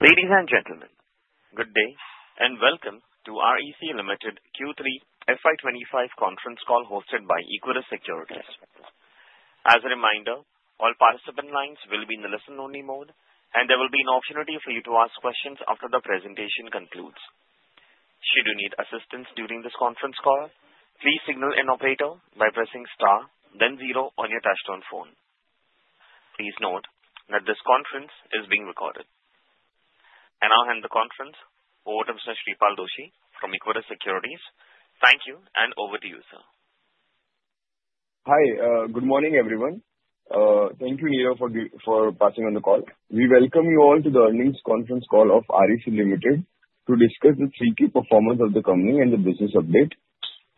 Ladies and gentlemen, good day and welcome to REC Limited Q3 FY25 conference call hosted by Equirus Securities. As a reminder, all participant lines will be in the listen-only mode, and there will be an opportunity for you to ask questions after the presentation concludes. Should you need assistance during this conference call, please signal an operator by pressing star, then zero on your touch-tone phone. Please note that this conference is being recorded, and I'll hand the conference over to Mr. Shreepal Doshi from Equirus Securities. Thank you, and over to you, sir. Hi, good morning, everyone. Thank you, Neela, for passing on the call. We welcome you all to the earnings conference call of REC Limited to discuss the third quarter performance of the company and the business update.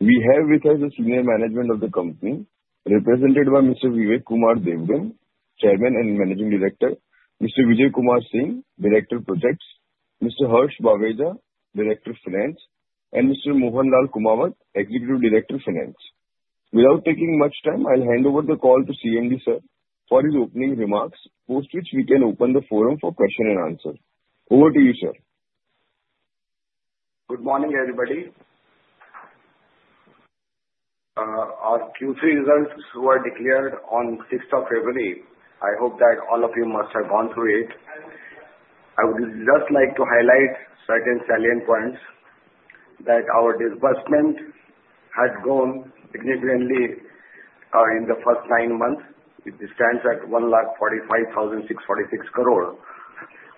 We have with us the senior management of the company, represented by Mr. Vivek Kumar Dewangan, Chairman and Managing Director, Mr. Vijay Kumar Singh, Director of Projects, Mr. Harsh Baweja, Director of Finance, and Mr. M. L. Kumawat, Executive Director of Finance. Without taking much time, I'll hand over the call to CMD, sir, for his opening remarks, after which we can open the forum for question and answer. Over to you, sir. Good morning, everybody. Our Q3 results were declared on the 6th of February. I hope that all of you must have gone through it. I would just like to highlight certain salient points that our disbursement had grown significantly in the first nine months, which stands at 145,646 crores.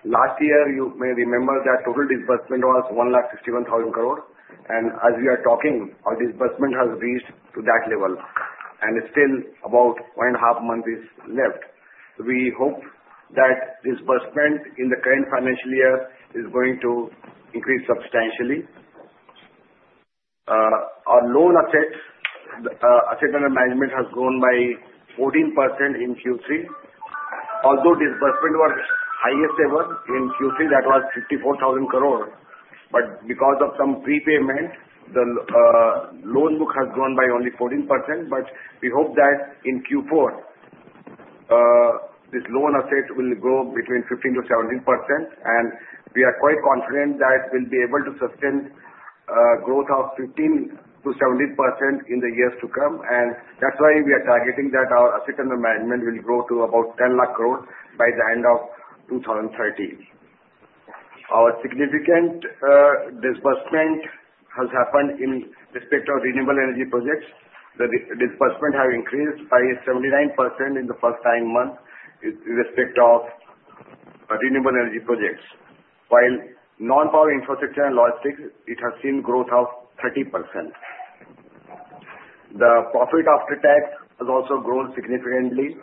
Last year, you may remember that total disbursement was 161,000 crores, and as we are talking, our disbursement has reached that level, and still about one and a half months is left. We hope that disbursement in the current financial year is going to increase substantially. Our loan assets under management have grown by 14% in Q3. Although disbursement was highest ever in Q3, that was 54,000 crores, but because of some prepayment, the loan book has grown by only 14%. We hope that in Q4, this loan asset will grow between 15%-17%, and we are quite confident that we'll be able to sustain a growth of 15%-17% in the years to come. That's why we are targeting that our asset under management will grow to about 10 lakh crore by the end of 2030. Our significant disbursement has happened in respect of renewable energy projects. The disbursement has increased by 79% in the first nine months in respect of renewable energy projects, while non-power infrastructure and logistics, it has seen growth of 30%. The profit after tax has also grown significantly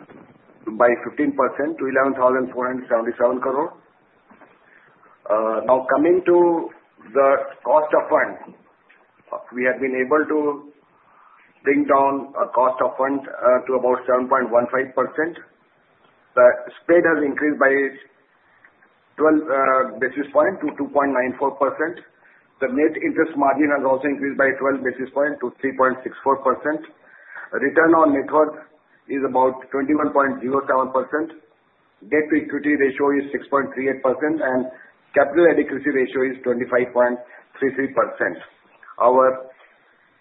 by 15% to 11,477 crore. Now, coming to the cost of funds, we have been able to bring down our cost of funds to about 7.15%. The spread has increased by 12 basis points to 2.94%. The net interest margin has also increased by 12 basis points to 3.64%. Return on net worth is about 21.07%. Debt-to-equity ratio is 6.38%, and capital adequacy ratio is 25.33%. Our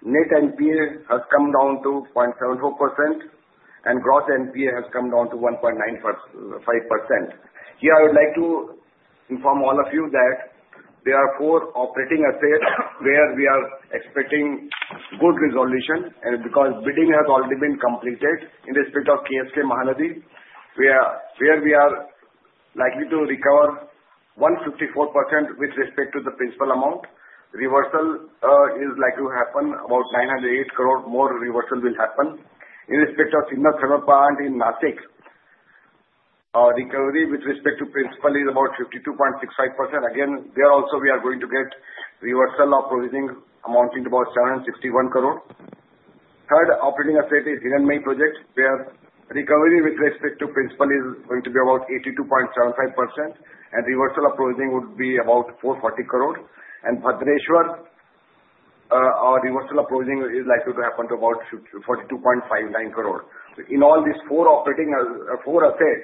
net NPA has come down to 0.74%, and gross NPA has come down to 1.95%. Here, I would like to inform all of you that there are four operating assets where we are expecting good resolution, and because bidding has already been completed in respect of KSK Mahanadi, where we are likely to recover 154% with respect to the principal amount. Reversal is likely to happen about 908 crore; more reversal will happen. In respect of Sinnar Thermal Plant in Nashik, our recovery with respect to principal is about 52.65%. Again, there also, we are going to get reversal of provisioning amounting to about 761 crore. Third operating asset is Hiranmaye Project, where recovery with respect to principal is going to be about 82.75%, and reversal of provisioning would be about 440 crores. And Bhadreshwar, our reversal of provisioning is likely to happen to about 42.59 crores. In all these four assets,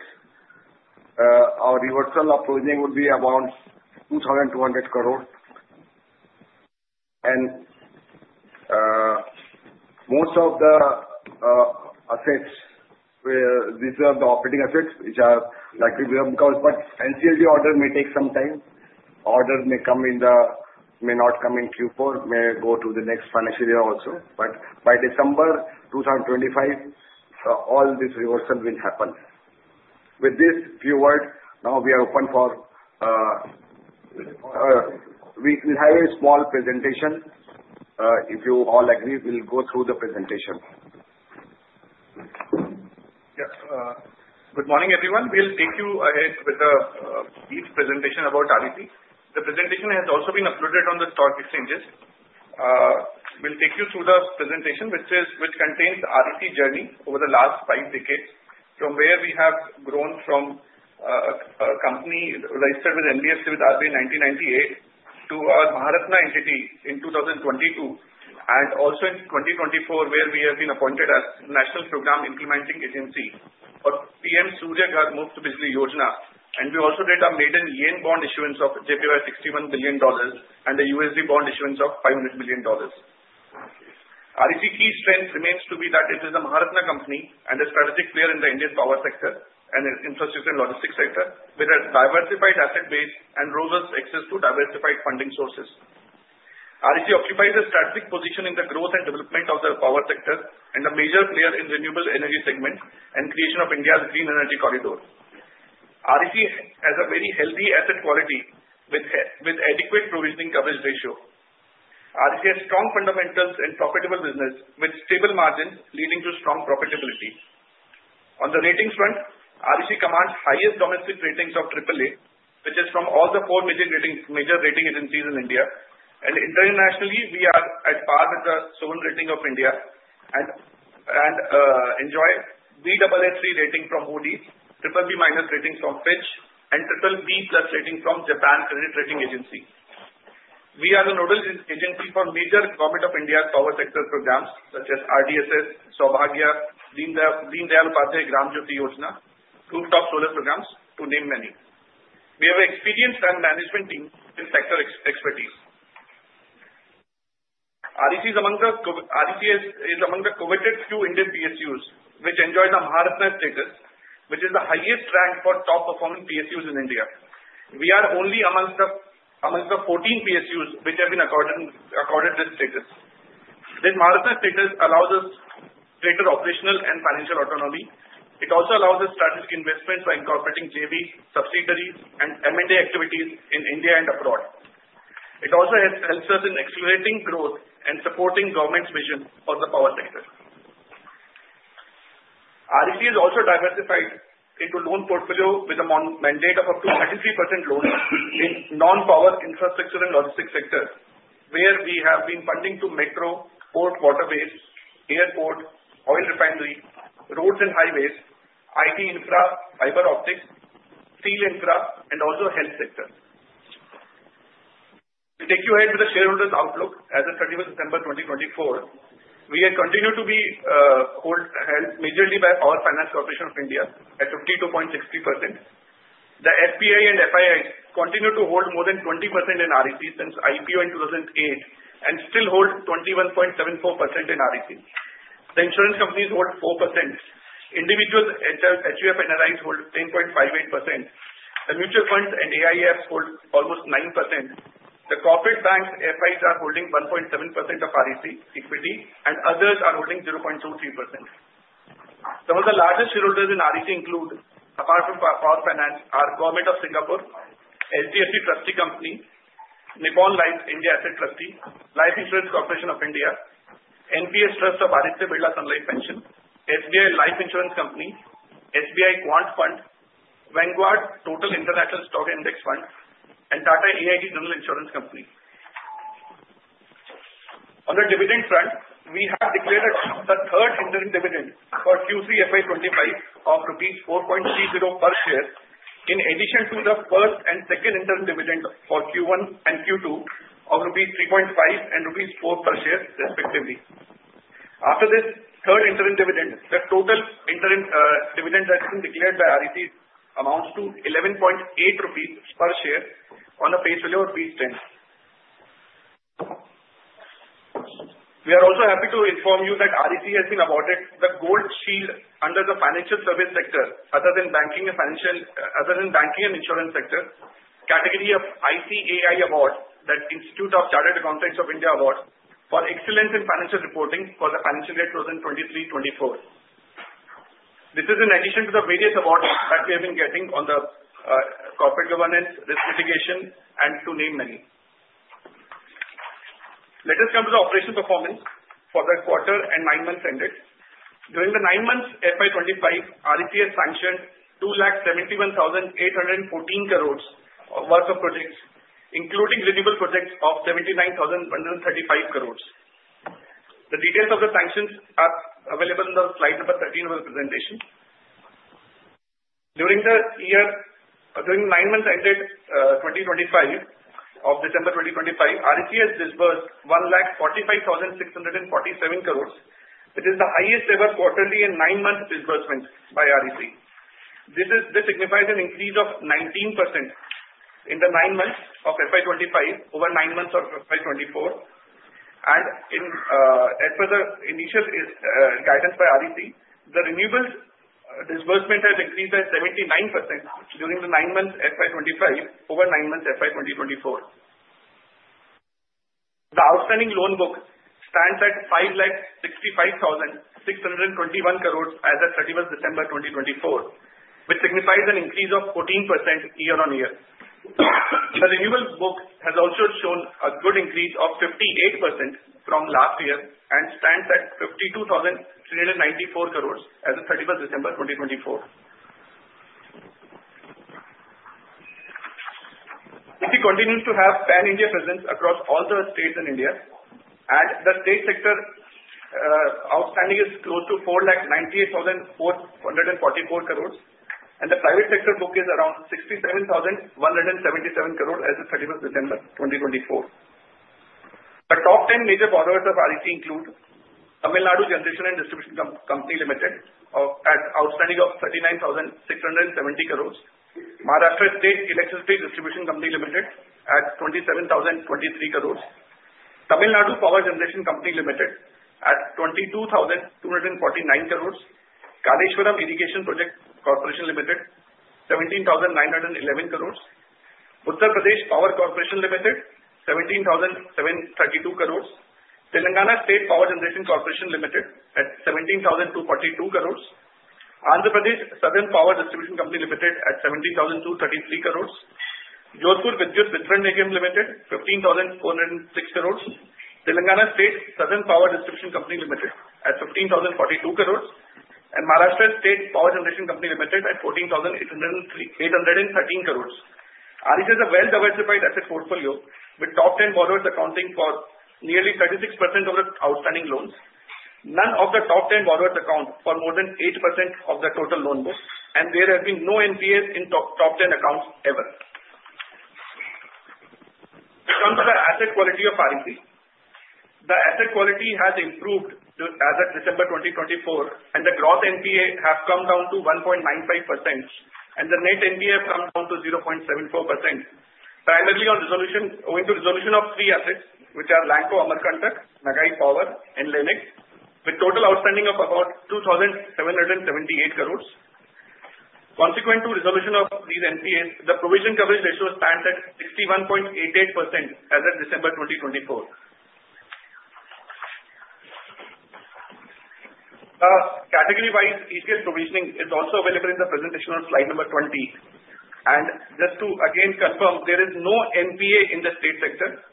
our reversal of provisioning would be around 2,200 crores. And most of the assets where these are the operating assets, which are likely to be recovered, but NCLT orders may take some time. Orders may come in Q4, may not come in Q4, may go to the next financial year also. But by December 2025, all this reversal will happen. With these few words, now we are open for we will have a small presentation. If you all agree, we'll go through the presentation. Good morning, everyone. We'll take you ahead with the presentation about REC. The presentation has also been uploaded on the stock exchanges. We'll take you through the presentation, which contains the REC journey over the last five decades, from where we have grown from a company registered with NBFC with RBI in 1998 to our Maharatna entity in 2022, and also in 2024, where we have been appointed as a national program implementing agency for PM Surya Ghar: Muft Bijli Yojana. We also did a maiden Yen bond issuance of JPY 61 billion and a USD bond issuance of $500 billion. REC's key strength remains to be that it is a Maharatna company and a strategic player in the Indian power sector and infrastructure and logistics sector, with a diversified asset base and robust access to diversified funding sources. REC occupies a strategic position in the growth and development of the power sector and a major player in the renewable energy segment and creation of India's green energy corridor. REC has a very healthy asset quality with adequate provision coverage ratio. REC has strong fundamentals and profitable business with stable margins leading to strong profitability. On the ratings front, REC commands highest domestic ratings of AAA, which is from all the four major rating agencies in India. Internationally, we are at par with the sovereign rating of India and enjoy Baa3 rating from Moody's, BBB- rating from Fitch, and BBB- rating from Japan Credit Rating Agency. We are a nodal agency for major Government of India's power sector programs such as RDSS, Saubhagya, Deen Dayal Upadhyaya Gram Jyoti Yojana, rooftop solar programs, to name a few. We have an experienced management team with sector expertise. REC is among the coveted few Indian PSUs, which enjoys a Maharatna status, which is the highest rank for top-performing PSUs in India. We are only amongst the 14 PSUs which have been accorded this status. This Maharatna status allows us greater operational and financial autonomy. It also allows us strategic investments by incorporating JVs, subsidiaries, and M&A activities in India and abroad. It also helps us in accelerating growth and supporting government's vision for the power sector. REC has also diversified into loan portfolio with a mandate of up to 33% loans in non-power infrastructure and logistics sectors, where we have been funding to metro, port, waterways, airport, oil refinery, roads and highways, IT infra, fiber optics, steel infra, and also health sectors. We'll take you ahead with the shareholders' outlook as of 31st September 2024. We continue to be held majorly by Power Finance Corporation of India at 52.60%. The FPI and FIIs continue to hold more than 20% in REC since IPO in 2008 and still hold 21.74% in REC. The insurance companies hold 4%. Individual HUF NRIs hold 10.58%. The mutual funds and AIFs hold almost 9%. The corporate banks and FIIs are holding 1.7% of REC equity, and others are holding 0.23%. Some of the largest shareholders in REC include, apart from power finance, are Government of Singapore, L&T Finance Trustee Company, Nippon Life India Asset Trustee, Life Insurance Corporation of India, NPS Trust of Aditya Birla Sun Life Pension, SBI Life Insurance Company, SBI Quant Fund, Vanguard Total International Stock Index Fund, and Tata AIG General Insurance Company. On the dividend front, we have declared the third interim dividend for Q3 FY2025 of INR 4.30 per share, in addition to the first and second interim dividend for Q1 and Q2 of rupees 3.50 and rupees 4.00 per share, respectively. After this third interim dividend, the total interim dividend that has been declared by REC amounts to 11.80 rupees per share on a face value of INR 10. We are also happy to inform you that REC has been awarded the Gold Shield under the financial services sector, other than banking and insurance sector, category of ICAI Award, that Institute of Chartered Accountants of India Award, for excellence in financial reporting for the financial year 2023-2024. This is in addition to the various awards that we have been getting on the corporate governance, risk mitigation, and to name many. Let us come to the operational performance for the quarter and nine months ended. During the nine months FY2025, REC has sanctioned 271,814 crores worth of projects, including renewable projects of 79,135 crores. The details of the sanctions are available on the slide number 13 of the presentation. During the nine months ended December 2024, REC has disbursed 145,647 crores, which is the highest ever quarterly and nine-month disbursement by REC. This signifies an increase of 19% in the nine months of FY2025 over nine months of FY2024. As per the initial guidance by REC, the renewables disbursement has increased by 79% during the nine months FY2025 over nine months of FY2024. The outstanding loan book stands at 565,621 crores as of 31st December 2024, which signifies an increase of 14% year on year. The renewables book has also shown a good increase of 58% from last year and stands at 52,394 crores as of 31st December 2024. We continue to have pan-India presence across all the states in India, and the state sector outstanding is close to 498,444 crores, and the private sector book is around 67,177 crores as of 31st December 2024. The top 10 major borrowers of REC include Tamil Nadu Generation and Distribution Company Limited at outstanding of 39,670 crores, Maharashtra State Electricity Distribution Company Limited at 27,023 crores, Tamil Nadu Power Generation Company Limited at 22,249 crores, Kaleshwaram Irrigation Project Corporation Limited at 17,911 crores, Uttar Pradesh Power Corporation Limited at 17,732 crores, Telangana State Power Generation Corporation Limited at 17,242 crores, Andhra Pradesh Southern Power Distribution Company Limited at 17,233 crores, Jodhpur Vidyut Vitran Nigam Limited at 15,406 crores, Telangana State Southern Power Distribution Company Limited at 15,042 crores, and Maharashtra State Power Generation Company Limited at 14,813 crores. REC has a well-diversified asset portfolio with top 10 borrowers accounting for nearly 36% of the outstanding loans. None of the top 10 borrowers account for more than 8% of the total loan books, and there have been no NPAs in top 10 accounts ever. We come to the asset quality of REC. The asset quality has improved as of December 2024, and the gross NPA has come down to 1.95%, and the net NPA has come down to 0.74%, primarily going to resolution of three assets, which are Lanco, Amarkantak, Nagai Power, and Lanco, with total outstanding of about 2,778 crores. Consequent to resolution of these NPAs, the provision coverage ratio stands at 61.88% as of December 2024. Category-wise, ETS provisioning is also available in the presentation on slide number 20. Just to again confirm, there is no NPA in the state sector.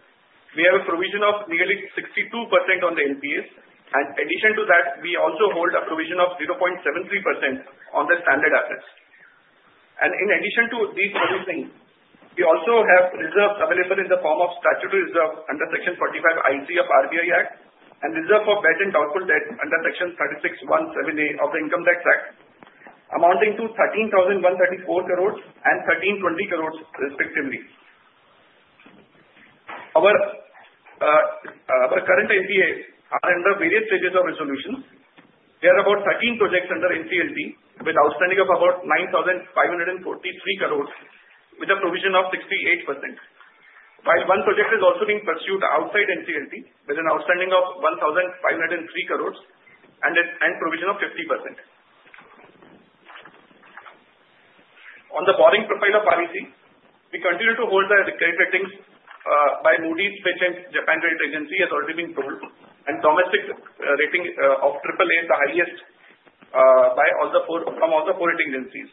We have a provision of nearly 62% on the NPAs, and in addition to that, we also hold a provision of 0.73% on the standard assets. In addition to these provisions, we also have reserves available in the form of statutory reserve under Section 45(IC) of the RBI Act and reserve for bad and doubtful debts under Section 36(1)(7)(A) of the Income Tax Act, amounting to 13,134 crores and 1,320 crores, respectively. Our current NPAs are under various stages of resolution. There are about 13 projects under NCLT with outstanding of about 9,543 crores, with a provision of 68%, while one project is also being pursued outside NCLT with an outstanding of 1,503 crores and provision of 50%. On the borrowing profile of REC, we continue to hold the credit ratings by Moody's, which the Japan Credit Rating Agency has also rated, and domestic rating of AAA is the highest from all the four rating agencies.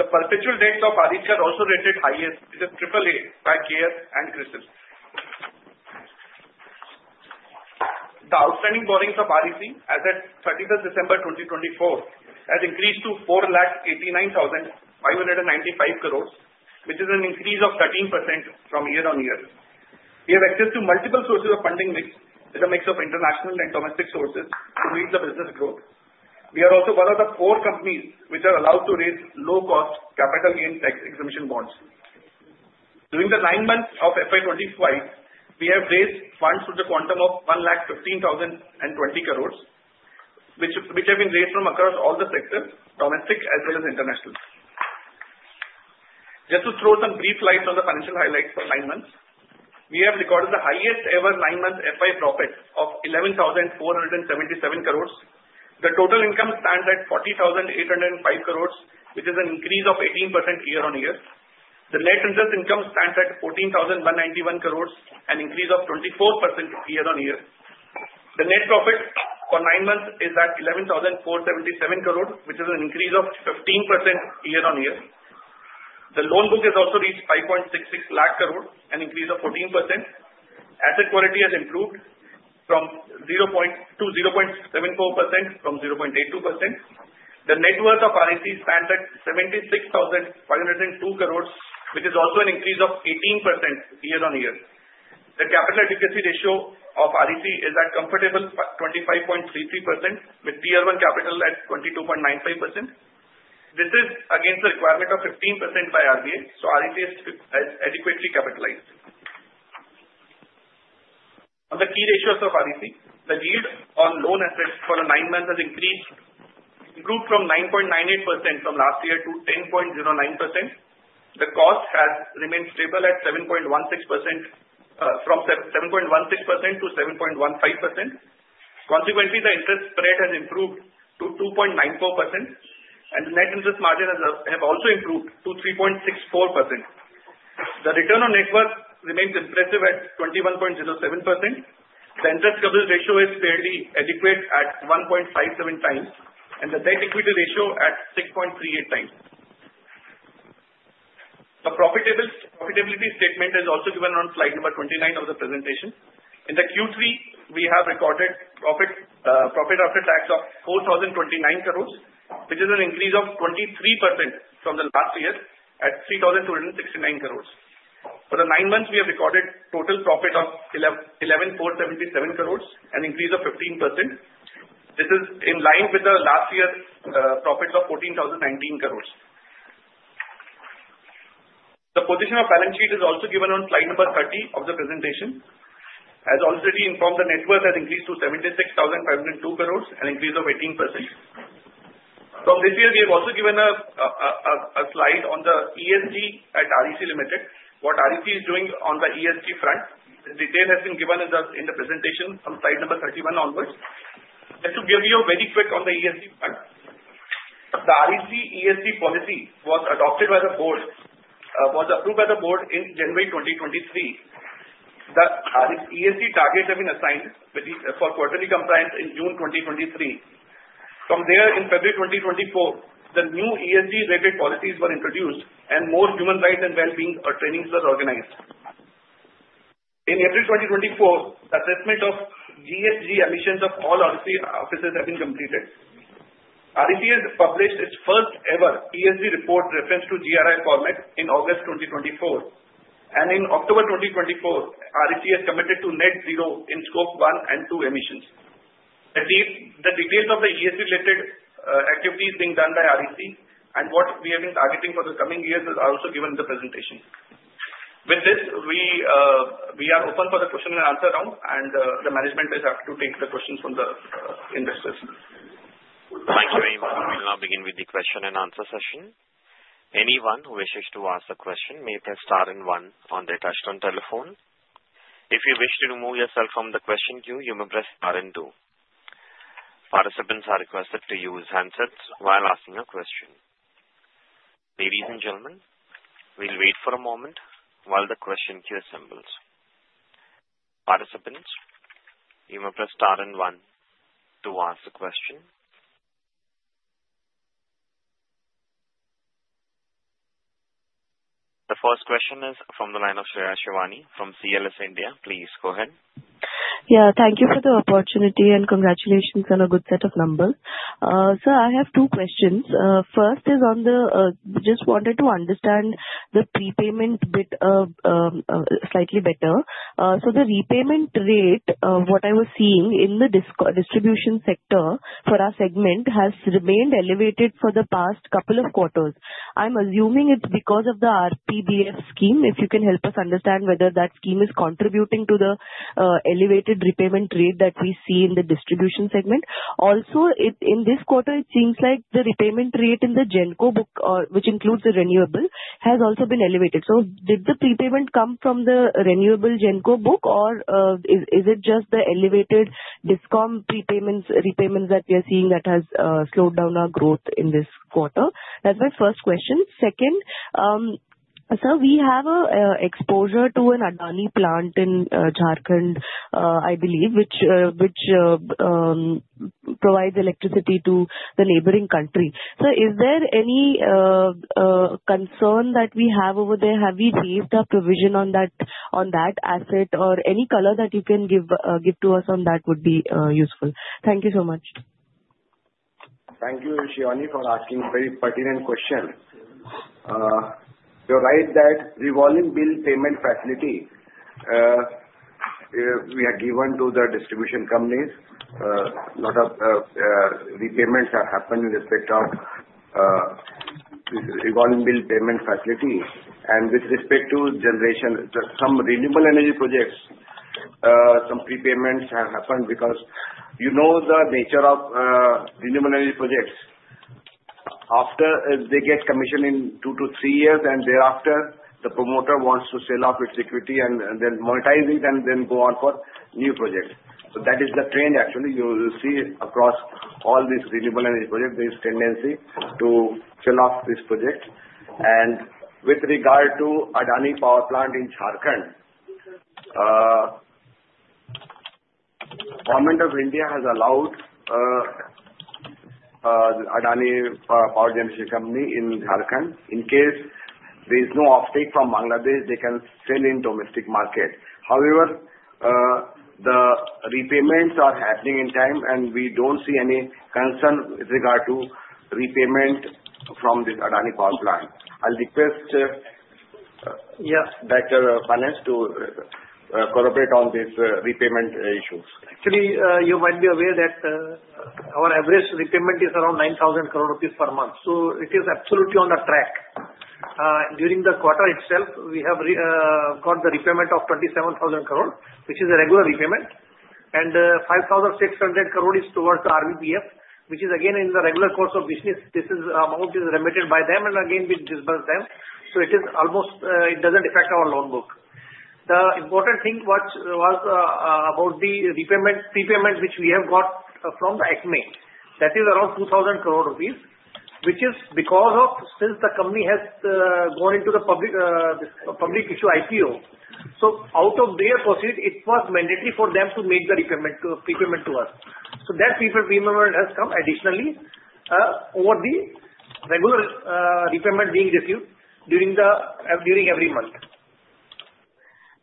The perpetual debts of REC are also rated highest, which is AAA by CARE and CRISIL. The outstanding borrowings of REC as of 31st December 2024 have increased to 489,595 crores, which is an increase of 13% from year-on-year. We have access to multiple sources of funding mix with a mix of international and domestic sources to meet the business growth. We are also one of the four companies which are allowed to raise low-cost capital gain tax exemption bonds. During the nine months of FY2025, we have raised funds to the quantum of 115,020 crores, which have been raised from across all the sectors, domestic as well as international. Just to throw some brief lights on the financial highlights for nine months, we have recorded the highest ever nine-month FY profit of 11,477 crores. The total income stands at 40,805 crores, which is an increase of 18% year-on-year. The net interest income stands at 14,191 crores, an increase of 24% year on year. The net profit for nine months is at INR 11,477 crores, which is an increase of 15% year-on-year. The loan book has also reached INR 5.66 lakh crores, an increase of 14%. Asset quality has improved from 0.82%-0.74%. The net worth of REC stands at 76,502 crores, which is also an increase of 18% year-on-year. The capital adequacy ratio of REC is at comfortable 25.33%, with Tier 1 capital at 22.95%. This is against the requirement of 15% by RBI, so REC is adequately capitalized. On the key ratios of REC, the yield on loan assets for the nine months has increased from 9.98% from last year to 10.09%. The cost has remained stable at 7.16% from 7.16%-7.15%. Consequently, the interest spread has improved to 2.94%, and the net interest margin has also improved to 3.64%. The return on net worth remains impressive at 21.07%. The interest coverage ratio is fairly adequate at 1.57 x, and the debt-equity ratio at 6.38 x. The profitability statement is also given on slide number 29 of the presentation. In the Q3, we have recorded profit after tax of 4,029 crores, which is an increase of 23% from the last year at 3,269 crores. For the nine months, we have recorded total profit of 11,477 crores, an increase of 15%. This is in line with the last year's profit of 14,019 crores. The position of balance sheet is also given on slide number 30 of the presentation. As already informed, the net worth has increased to 76,502 crores, an increase of 18%. From this year, we have also given a slide on the ESG at REC Limited, what REC is doing on the ESG front. The detail has been given in the presentation from slide number 31 onwards. Just to give you a very quick on the ESG front, the REC ESG policy was adopted by the board, was approved by the board in January 2023. The ESG targets have been assigned for quarterly compliance in June 2023. From there, in February 2024, the new ESG-related policies were introduced, and more human rights and well-being trainings were organized. In April 2024, the assessment of GHG emissions of all REC offices has been completed. REC has published its first-ever ESG report referencing GRI format in August 2024, and in October 2024, REC has committed to net zero in scope one and two emissions. The details of the ESG-related activities being done by REC and what we have been targeting for the coming years are also given in the presentation. With this, we are open for the question and answer round, and the management is happy to take the questions from the investors. Thank you, Amy. We will now begin with the question and answer session. Anyone who wishes to ask a question may press star and one on their touch-tone telephone. If you wish to remove yourself from the question queue, you may press star and two. Participants are requested to use handsets while asking a question. Ladies and gentlemen, we'll wait for a moment while the question queue assembles. Participants, you may press star and one to ask a question. The first question is from the line of Shreya Shivani from CLSA India. Please go ahead. Yeah, thank you for the opportunity and congratulations on a good set of numbers. Sir, I have two questions. First is on the, just wanted to understand the prepayment bit slightly better. So the repayment rate, what I was seeing in the distribution sector for our segment has remained elevated for the past couple of quarters. I'm assuming it's because of the RBPF scheme. If you can help us understand whether that scheme is contributing to the elevated repayment rate that we see in the distribution segment. Also, in this quarter, it seems like the repayment rate in the Genco book, which includes the renewable, has also been elevated. So did the prepayment come from the renewable Genco book, or is it just the elevated DISCOM repayments that we are seeing that has slowed down our growth in this quarter? That's my first question. Second, sir, we have an exposure to an Adani plant in Jharkhand, I believe, which provides electricity to the neighboring country. Sir, is there any concern that we have over there? Have we raised our provision on that asset, or any color that you can give to us on that would be useful? Thank you so much. Thank you, Shivani, for asking a very pertinent question. You're right that revolving bill payment facility we have given to the distribution companies. A lot of repayments have happened in respect of revolving bill payment facility. And with respect to generation, some renewable energy projects, some prepayments have happened because you know the nature of renewable energy projects. After they get commissioned in two to three years, and thereafter, the promoter wants to sell off its equity and then monetize it and then go on for new projects. So that is the trend, actually. You will see across all these renewable energy projects, there is a tendency to sell off this project. And with regard to Adani Power Plant in Jharkhand, Government of India has allowed Adani Power Generation Company in Jharkhand. In case there is no offtake from Bangladesh, they can sell in domestic market. However, the repayments are happening in time, and we don't see any concern with regard to repayment from this Adani Power Plant. I'll request Dr. Banes to corroborate on these repayment issues. Actually, you might be aware that our average repayment is around 9,000 crores per month. So it is absolutely on the track. During the quarter itself, we have got the repayment of 27,000 crores, which is a regular repayment. And 5,600 crores is towards the RBPF, which is again in the regular course of business. This amount is remitted by them and again we disburse them. So it doesn't affect our loan book. The important thing was about the repayment, prepayment, which we have got from the ACME. That is around 2,000 crores rupees, which is because of since the company has gone into the public issue IPO. So out of their proceeds, it was mandatory for them to make the repayment to us. So that prepayment has come additionally over the regular repayment being received during every month.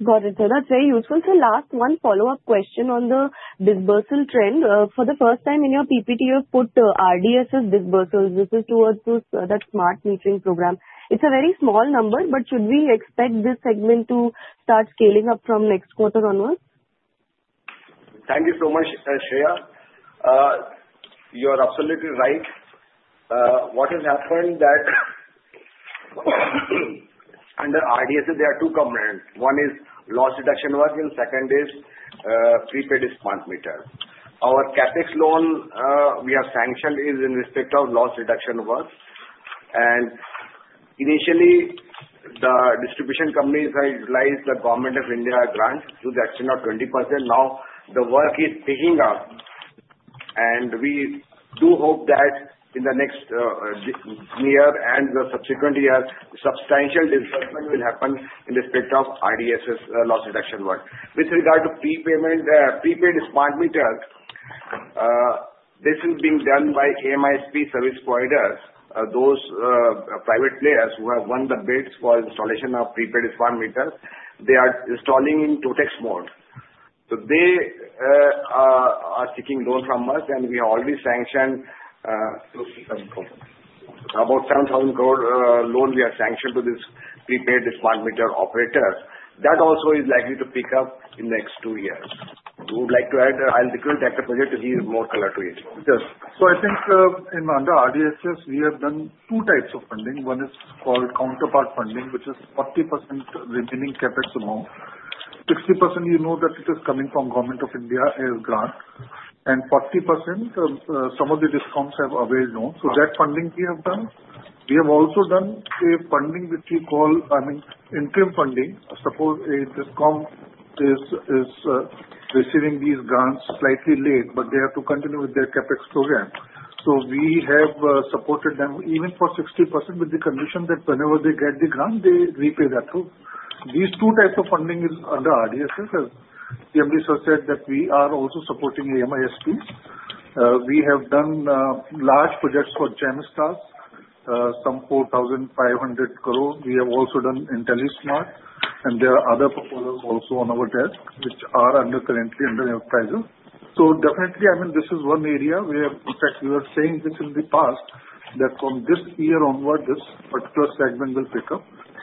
Got it. So that's very useful. So last one follow-up question on the disbursal trend. For the first time in your PPT, you have put RDSS disbursals. This is towards that smart metering program. It's a very small number, but should we expect this segment to start scaling up from next quarter onwards? Thank you so much, Shreya. You are absolutely right. What has happened that under RDSS, there are two components. One is loss reduction work, and second is prepaid smart meter. Our CapEx loan we have sanctioned is in respect of loss reduction work. Initially, the distribution companies had utilized the Government of India grant to the extent of 20%. Now the work is picking up, and we do hope that in the next year and the subsequent year, substantial disbursement will happen in respect of RDSS loss reduction work. With regard to prepaid smart meter, this is being done by AMISP service providers, those private players who have won the bids for installation of prepaid smart meter. They are installing in turnkey mode. So they are seeking loans from us, and we have already sanctioned about 7,000 crores loan we have sanctioned to this prepaid DISCOM meter operator. That also is likely to pick up in the next two years. We would like to add. I'll request Dr. Prajit to give more color to it. So I think in the RDSS, we have done two types of funding. One is called counterpart funding, which is 40% remaining CapEx amount. 60%, you know that it is coming from Government of India as grant. And 40%, some of the DISCOMS have availed loans. So that funding we have done. We have also done a funding which we call, I mean, interim funding. Suppose a DISCOM is receiving these grants slightly late, but they have to continue with their CapEx program. So we have supported them even for 60% with the condition that whenever they get the grant, they repay that loan. These two types of funding is under RDSS. MD Sir said that we are also supporting AMISP. We have done large projects for Genus Power, some 4,500 crores. We have also done IntelliSmart, and there are other proposals also on our desk which are currently under appraisal. So definitely, I mean, this is one area where in fact we were saying this in the past that from this year onward, this particular segment will pick up,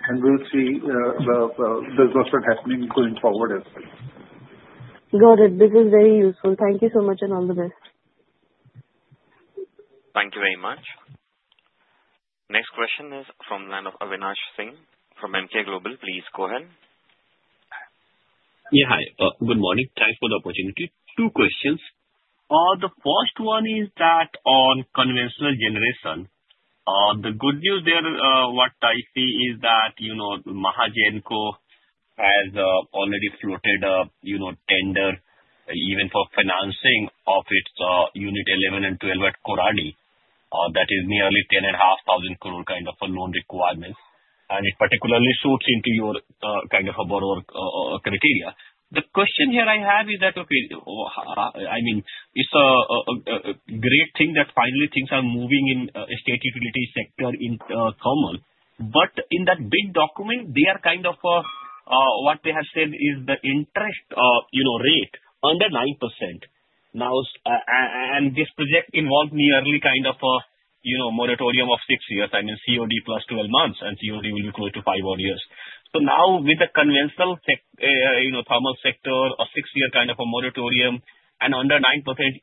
and we'll see the disbursement happening going forward as well. Got it. This is very useful. Thank you so much and all the best. Thank you very much. Next question is from the line of Avinash Singh from Emkay Global. Please go ahead. Yeah, hi. Good morning. Thanks for the opportunity. Two questions. The first one is that on conventional generation, the good news there, what I see is that Mahagenco has already floated a tender even for financing of its unit 11 and 12 at Koradi. That is nearly 10,500 crores kind of a loan requirement. And it particularly suits into your kind of a borrower criteria. The question here I have is that, okay, I mean, it's a great thing that finally things are moving in state utility sector in terms. But in that big document, they are kind of what they have said is the interest rate under 9%. Now, and this project involved nearly kind of a moratorium of six years. I mean, COD plus 12 months, and COD will be close to five more years. So now with the conventional thermal sector, a six-year kind of a moratorium and under 9%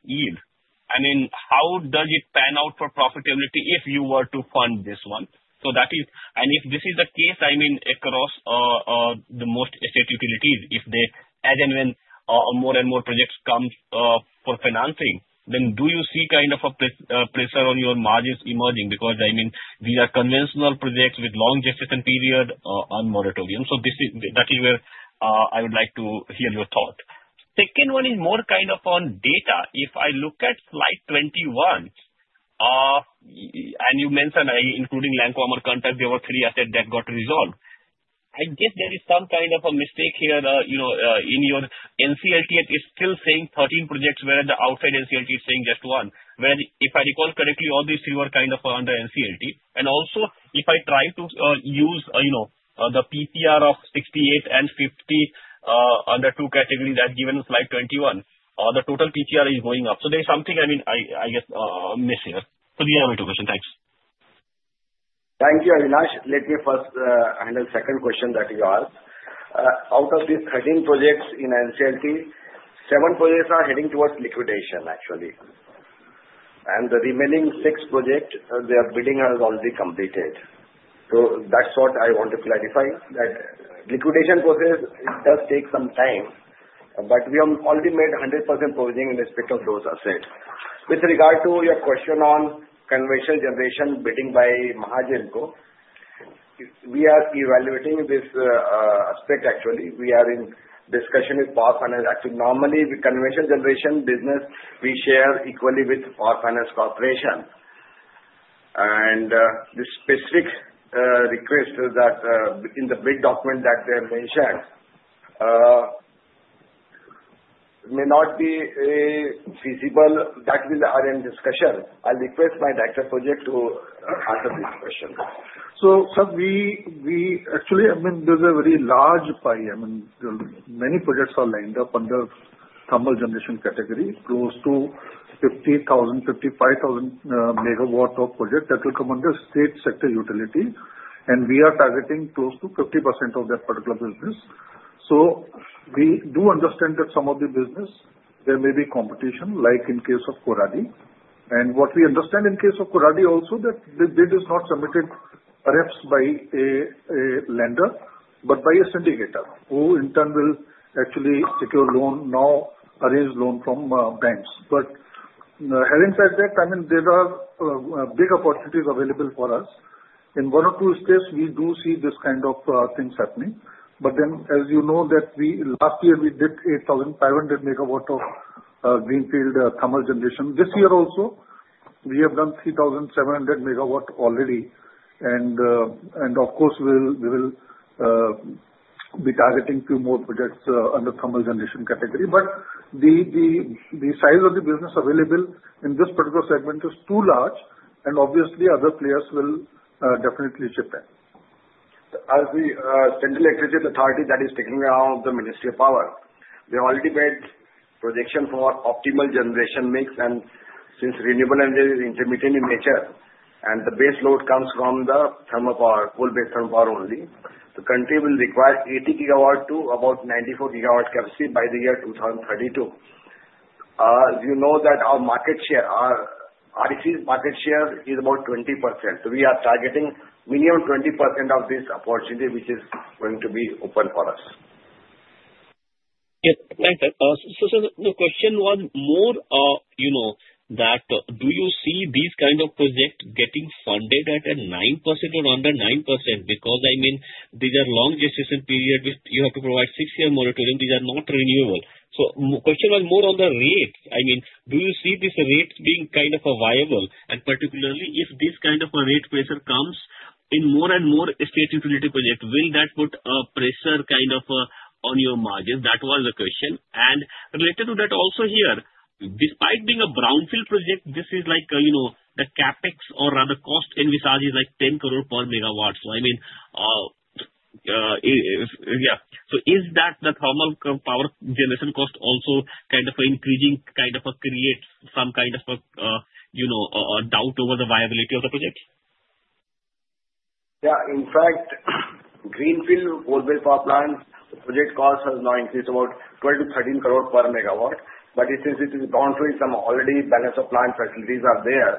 yield. I mean, how does it pan out for profitability if you were to fund this one? So that is, and if this is the case, I mean, across the most state utilities, if they as and when more and more projects come for financing, then do you see kind of a pressure on your margins emerging? Because I mean, these are conventional projects with long gestation period on moratorium. So that is where I would like to hear your thought. Second one is more kind of on data. If I look at slide 21, and you mentioned including Lanco RattanIndia contracts, there were three assets that got resolved. I guess there is some kind of a mistake here in your NCLT that is still saying 13 projects, whereas the outside NCLT is saying just one. Whereas if I recall correctly, all these three were kind of under NCLT. And also, if I try to use the PCR of 68 and 50 under two categories as given in slide 21, the total PCR is going up. So there is something, I mean, I guess I miss here. So these are my two questions. Thanks. Thank you, Avinash. Let me first handle second question that you asked. Out of these 13 projects in NCLT, seven projects are heading towards liquidation, actually. And the remaining six projects, their bidding has already completed. So that's what I want to clarify that liquidation process does take some time, but we have already made 100% provision in respect of those assets. With regard to your question on conventional generation bidding by Mahagenco, we are evaluating this aspect, actually. We are in discussion with Power Finance. Actually, normally with conventional generation business, we share equally with Power Finance Corporation. And the specific request is that in the big document that they have mentioned, it may not be feasible. That will be our end discussion. I'll request my Director of Projects to answer this question. So sir, we actually, I mean, there's a very large pie. I mean, many projects are lined up under thermal generation category, close to 50,000-55,000 MW of projects that will come under state sector utility. And we are targeting close to 50% of that particular business. So we do understand that some of the business, there may be competition, like in case of Koradi. And what we understand in case of Koradi also, that the bid is not submitted perhaps by a lender, but by a syndicator, who in turn will actually secure loans, or arrange loans from banks. But having said that, I mean, there are big opportunities available for us. In one or two states, we do see this kind of things happening. But then, as you know, than last year we did 8,500 MW of greenfield thermal generation. This year also, we have done 3,700 MW already. And of course, we will be targeting a few more projects under thermal generation category. But the size of the business available in this particular segment is too large, and obviously, other players will definitely chip in. As the Central Electricity Authority that is taken care of by the Ministry of Power, they already made projections for optimal generation mix. And since renewable energy is intermittent in nature, and the base load comes from the thermal power, coal-based thermal power only, the country will require 80 GW to about 94 GW capacity by the year 2032. You know that our market share, REC's market share is about 20%. So we are targeting minimum 20% of this opportunity, which is going to be open for us. Yes. Thank you. So sir, the question was more that do you see these kind of projects getting funded at a 9% or under 9%? Because I mean, these are long gestation period, which you have to provide six-year moratorium. These are not renewable. So the question was more on the rate. I mean, do you see these rates being kind of available? And particularly, if this kind of a rate pressure comes in more and more state utility projects, will that put a pressure kind of on your margins? That was the question. And related to that also here, despite being a brownfield project, this is like the CapEx or the cost envisaged is like 10 crores per megawatt. So I mean, yeah. So is that the thermal power generation cost also kind of increasing kind of creates some kind of a doubt over the viability of the project? Yeah. In fact, greenfield coal-based power plant project cost has now increased about 12-13 crores per MW. But since it is bound to be some already balance of plant facilities are there,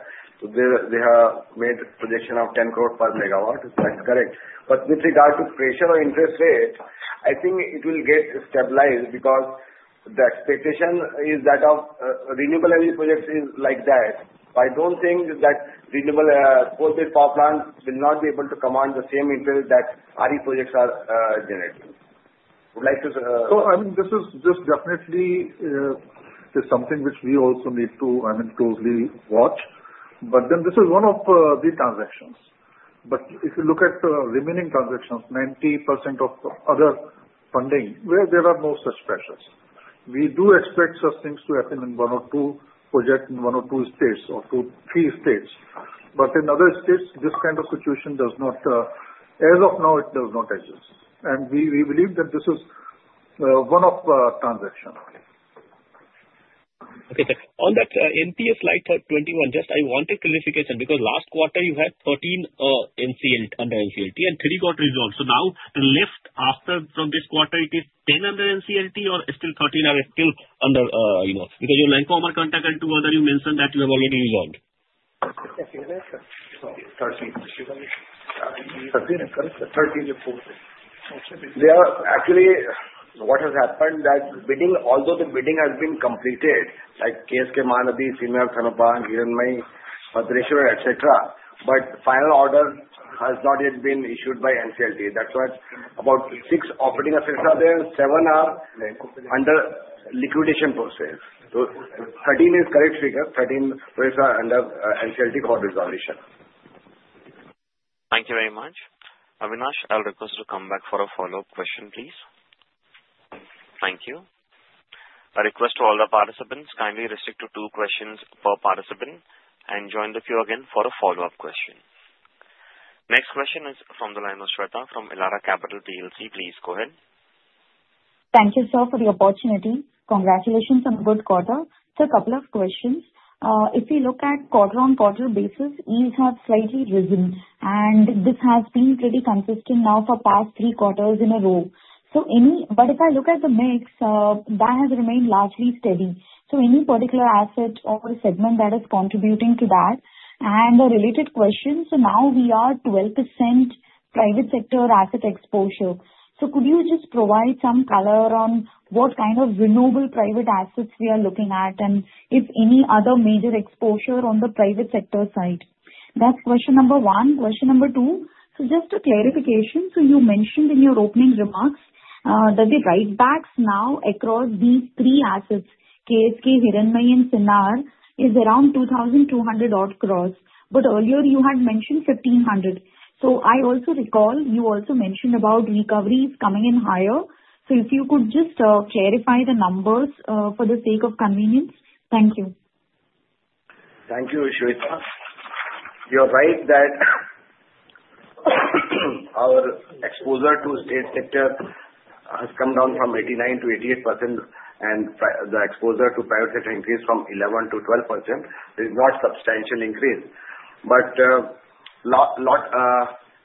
they have made projection of 10 crores per MW. So that's correct. But with regard to pressure or interest rate, I think it will get stabilized because the expectation is that of renewable energy projects is like that. I don't think that renewable coal-based power plants will not be able to command the same interest that RE projects are generating. Would like to. So I mean, this is definitely something which we also need to, I mean, closely watch. But then this is one of the transactions. But if you look at the remaining transactions, 90% of other funding, where there are no such pressures. We do expect such things to happen in one or two projects, in one or two states or two or three states. But in other states, this kind of situation does not, as of now, it does not exist. And we believe that this is one of transactions. Okay. On that NPS slide 21, just I wanted clarification because last quarter you had 13 under NCLT and three got resolved. So now the left after from this quarter, it is 10 under NCLT or still 13 are still under? Because your Lanco Amarkantak contract and two other, you mentioned that you have already resolved. 13 and 14. They are actually what has happened that bidding, although the bidding has been completed, like KSK Mahanadi, Sinnar Thermal Power, Hiranmaye, Bhadreshwar, etc., but final order has not yet been issued by NCLT. That's what about six operating assets are there, and seven are under liquidation process. So 13 is correct figure. 13 projects are under NCLT for resolution. Thank you very much. Avinash, I'll request to come back for a follow-up question, please. Thank you. I request to all the participants kindly restrict to two questions per participant and join the queue again for a follow-up question. Next question is from the line of Shweta from Elara Capital. Please go ahead. Thank you, sir, for the opportunity. Congratulations on good quarter. So a couple of questions. If we look at quarter-on-quarter basis, yields have slightly risen, and this has been pretty consistent now for past three quarters in a row. But if I look at the mix, that has remained largely steady. So any particular asset or segment that is contributing to that? And a related question. So now we are 12% private sector asset exposure. So could you just provide some color on what kind of renewable private assets we are looking at and if any other major exposure on the private sector side? That's question number one. Question number two. So just a clarification. So you mentioned in your opening remarks that the write-backs now across these three assets, KSK, Hiranmaye, and Sinnar, is around 2,200 odd crores. But earlier you had mentioned 1,500. So I also recall you also mentioned about recoveries coming in higher. So if you could just clarify the numbers for the sake of convenience. Thank you. Thank you, Shweta. You're right that our exposure to state sector has come down from 89% to 88%, and the exposure to private sector increased from 11% to 12%. There is not substantial increase. But a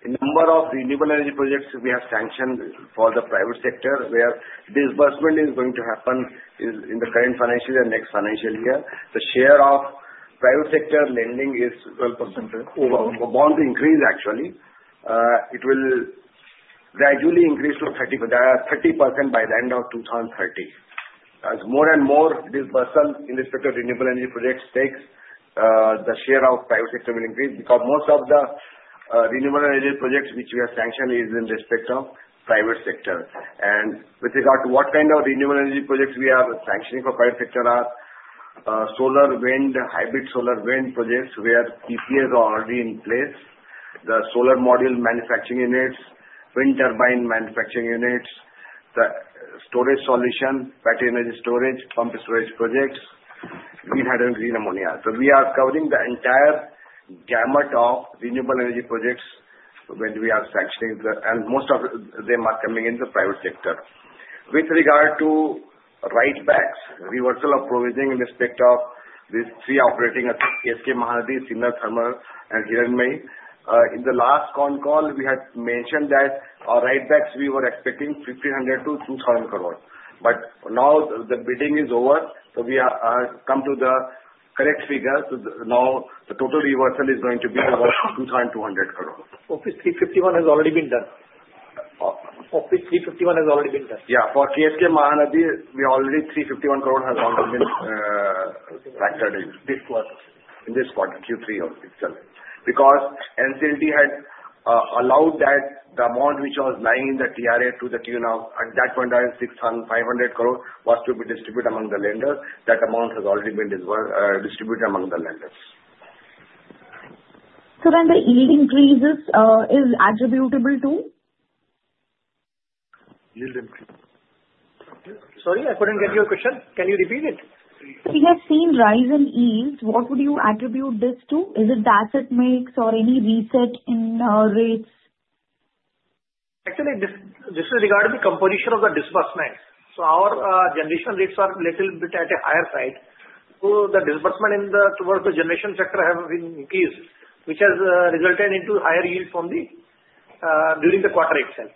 number of renewable energy projects we have sanctioned for the private sector, where disbursement is going to happen in the current financial year and next financial year. The share of private sector lending is 12%. It's about to increase, actually. It will gradually increase to 30% by the end of 2030. As more and more disbursement in respect of renewable energy projects takes, the share of private sector will increase because most of the renewable energy projects which we have sanctioned is in respect of private sector. With regard to what kind of renewable energy projects we have sanctioning for private sector are solar, wind, hybrid solar-wind projects where PPAs are already in place, the solar module manufacturing units, wind turbine manufacturing units, the storage solution, battery energy storage, pumped storage projects, green hydrogen, green ammonia. We are covering the entire gamut of renewable energy projects when we are sanctioning, and most of them are coming in the private sector. With regard to write-backs, reversal of provision in respect of these three operating assets, KSK Mahanadi, Sinnar Thermal, and Hiranmaye. In the last con call, we had mentioned that our write-backs we were expecting 1,500-2,000 crores. Now the bidding is over, so we have come to the correct figure. So now the total reversal is going to be about 2,200 crores. Of Rs 351 has already been done. The 351 has already been done. Yeah. For KSK Mahanadi, we already 351 crores has already been factored in this quarter, Q3 or Q7. Because NCLT had allowed that the amount which was lying in the TRA to the tune of, at that point, 6,500 crores was to be distributed among the lenders. That amount has already been distributed among the lenders. So then the yield increases is attributable to? Yield increase. Sorry, I couldn't get your question. Can you repeat it? If you have seen rise in yields, what would you attribute this to? Is it the asset mix or any reset in rates? Actually, this is regarding the composition of the disbursement. So our generation rates are a little bit at a higher side. So the disbursement towards the generation sector has been increased, which has resulted in higher yields during the quarter itself.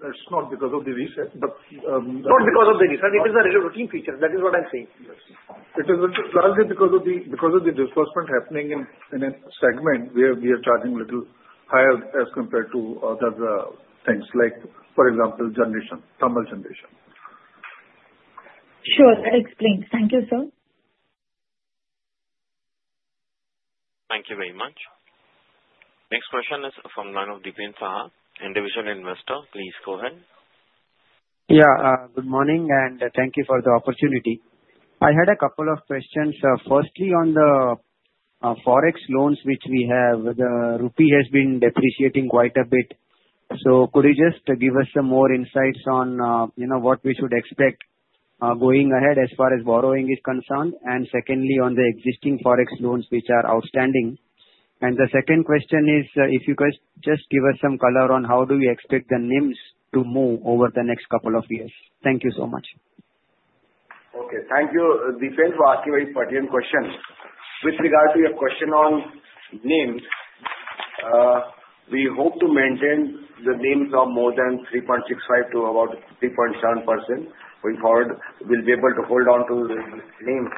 It's not because of the reset, but. Not because of the reset. It is a routine feature. That is what I'm saying. It is largely because of the disbursement happening in a segment where we are charging a little higher as compared to other things, like for example, generation, thermal generation. Sure. That explains. Thank you, sir. Thank you very much. Next question is from Deepen Saha, individual investor. Please go ahead. Yeah. Good morning, and thank you for the opportunity. I had a couple of questions. Firstly, on the forex loans which we have, the rupee has been depreciating quite a bit. So could you just give us some more insights on what we should expect going ahead as far as borrowing is concerned? And secondly, on the existing forex loans which are outstanding. The second question is, if you could just give us some color on how do we expect the NIMs to move over the next couple of years. Thank you so much. Okay. Thank you, Deepen, for asking very pertinent questions. With regard to your question on NIMs, we hope to maintain the NIMs of more than 3.65% to about 3.7% going forward. We'll be able to hold on to the NIMs.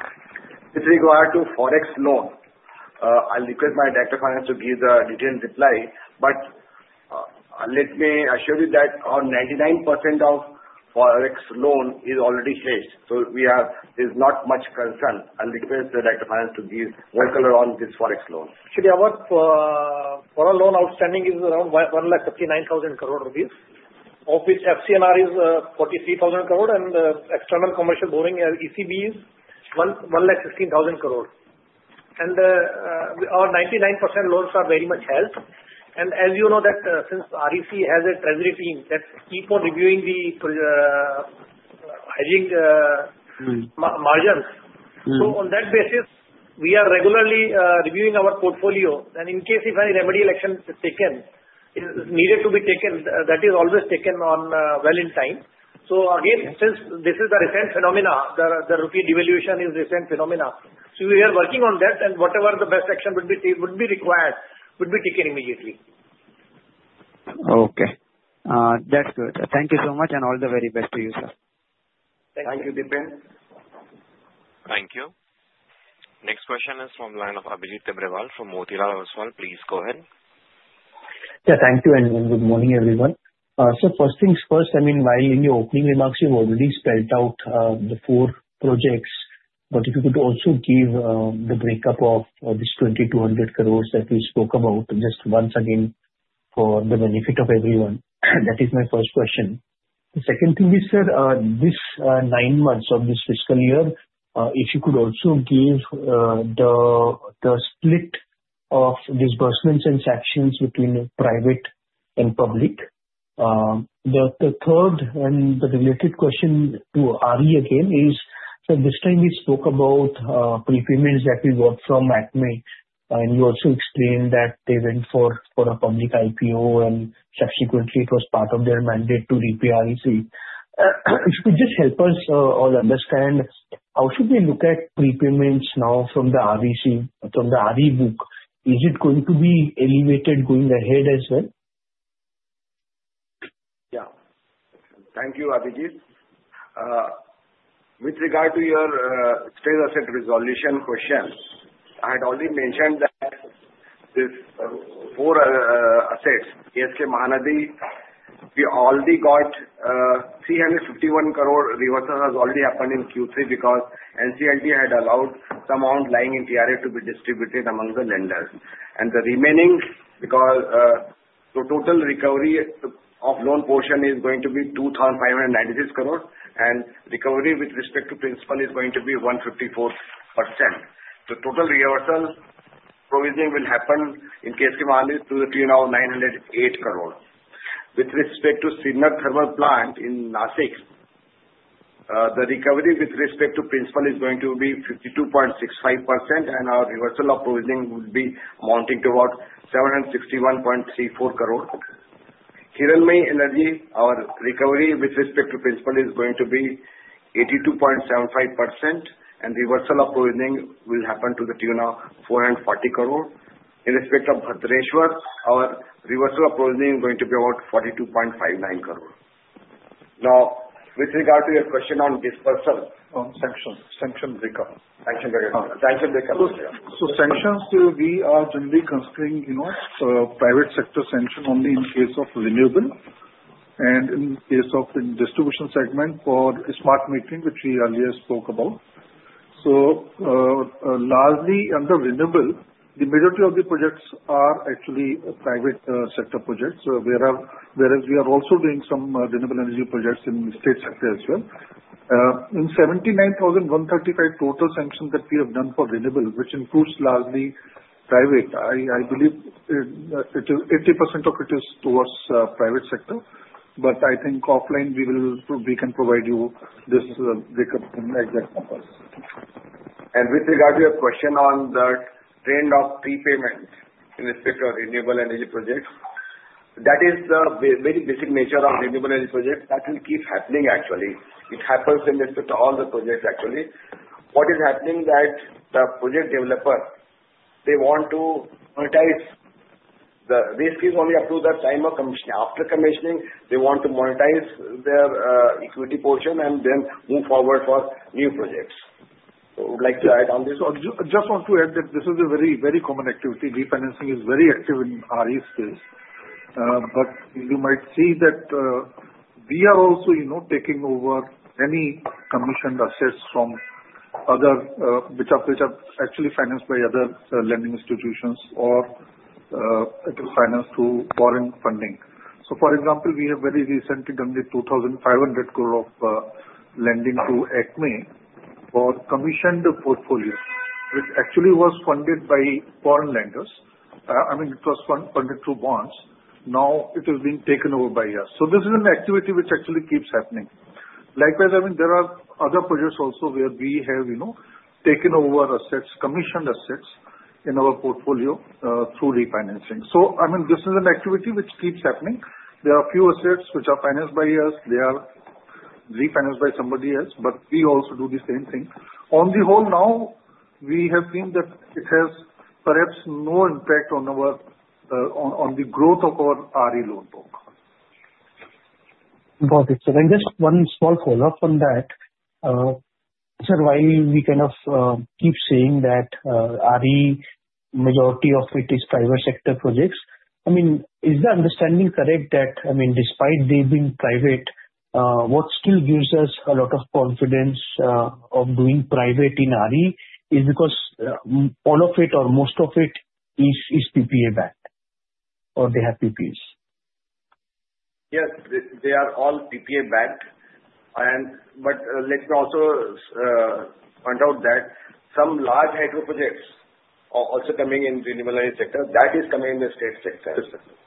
With regard to forex loan, I'll request my Director of Finance to give the detailed reply. But let me assure you that 99% of forex loan is already hedged. So there's not much concern. I'll request the Director of Finance to give more color on this forex loan. Actually, our total loan outstanding is around 159,000 crore rupees. Of FCNR is 43,000 crore, and external commercial borrowing ECB is 115,000 crore. Our 99% loans are very much held. And as you know, since REC has a treasury team that's keeps on reviewing the hedging margins, so on that basis, we are regularly reviewing our portfolio. And in case if any remedy election is taken, it is needed to be taken. That is always taken well in time. So again, since this is a recent phenomenon, the rupee devaluation is a recent phenomenon. So we are working on that, and whatever the best action would be required would be taken immediately. Okay. That's good. Thank you so much, and all the very best to you, sir. Thank you, Deepen. Thank you. Next question is from the line of Abhijit Tibrewal from Motilal Oswal. Please go ahead. Yeah. Thank you, and good morning, everyone. So first things first, I mean, while in your opening remarks, you've already spelled out the four projects. But if you could also give the breakup of this 2,200 crores that we spoke about just once again for the benefit of everyone. That is my first question. The second thing is, sir, this nine months of this fiscal year, if you could also give the split of disbursements and sanctions between private and public. The third and the related question to Ari again is, so this time we spoke about prepayments that we got from ACME, and you also explained that they went for a public IPO, and subsequently, it was part of their mandate to repay the REC. If you could just help us all understand, how should we look at prepayments now from the REC, from the RE book? Is it going to be elevated going ahead as well? Yeah. Thank you, Abhijit. With regard to your state asset resolution question, I had already mentioned that these four assets, KSK Mahanadi, we already got 351 crore reversal has already happened in Q3 because NCLT had allowed some amount lying in TRA to be distributed among the lenders. And the remaining, because the total recovery of loan portion is going to be 2,596 crore, and recovery with respect to principal is going to be 154%. The total reversal provision will happen in KSK Mahanadi to the tune of INR 908 crore. With respect to Sinnar Thermal Plant in Nashik, the recovery with respect to principal is going to be 52.65%, and our reversal of provisioning will be amounting to about 761.34 crore. Hiranmaye Energy, our recovery with respect to principal is going to be 82.75%, and reversal of provisioning will happen to the tune of 440 crore. In respect of Bhadreshwar, our reversal of provisioning is going to be about 42.59 crore. Now, with regard to your question on disbursal. Sanction breakup. So sanctions, we are generally considering private sector sanction only in case of renewable and in case of distribution segment for smart metering, which we earlier spoke about. So largely under renewable, the majority of the projects are actually private sector projects, whereas we are also doing some renewable energy projects in the state sector as well. In 79,135 total sanctions that we have done for renewable, which includes largely private, I believe 80% of it is towards private sector. But I think offline, we can provide you this breakup in exact numbers. And with regard to your question on the trend of prepayment in respect of renewable energy projects, that is the very basic nature of renewable energy projects that will keep happening, actually. It happens in respect to all the projects, actually. What is happening is that the project developer, they want to monetize. The risk is only up to the time of commissioning. After commissioning, they want to monetize their equity portion and then move forward for new projects. So I would like to add on this. So I just want to add that this is a very, very common activity. Refinancing is very active in RE space. But you might see that we are also taking over any commissioned assets from other, which are actually financed by other lending institutions or financed through foreign funding. So for example, we have very recently done 2,500 crore of lending to ACME for commissioned portfolio, which actually was funded by foreign lenders. I mean, it was funded through bonds. Now it is being taken over by us. So this is an activity which actually keeps happening. Likewise, I mean, there are other projects also where we have taken over assets, commissioned assets in our portfolio through refinancing. So I mean, this is an activity which keeps happening. There are a few assets which are financed by us. They are refinanced by somebody else, but we also do the same thing. On the whole now, we have seen that it has perhaps no impact on the growth of our RE loan portfolio. Got it. So then just one small follow-up on that. So while we kind of keep saying that RE, majority of it is private sector projects, I mean, is the understanding correct that, I mean, despite they being private, what still gives us a lot of confidence of doing private in RE is because all of it or most of it is PPA backed or they have PPAs? Yes. They are all PPA backed. But let me also point out that some large hydro projects are also coming in renewable energy sector. That is coming in the state sector.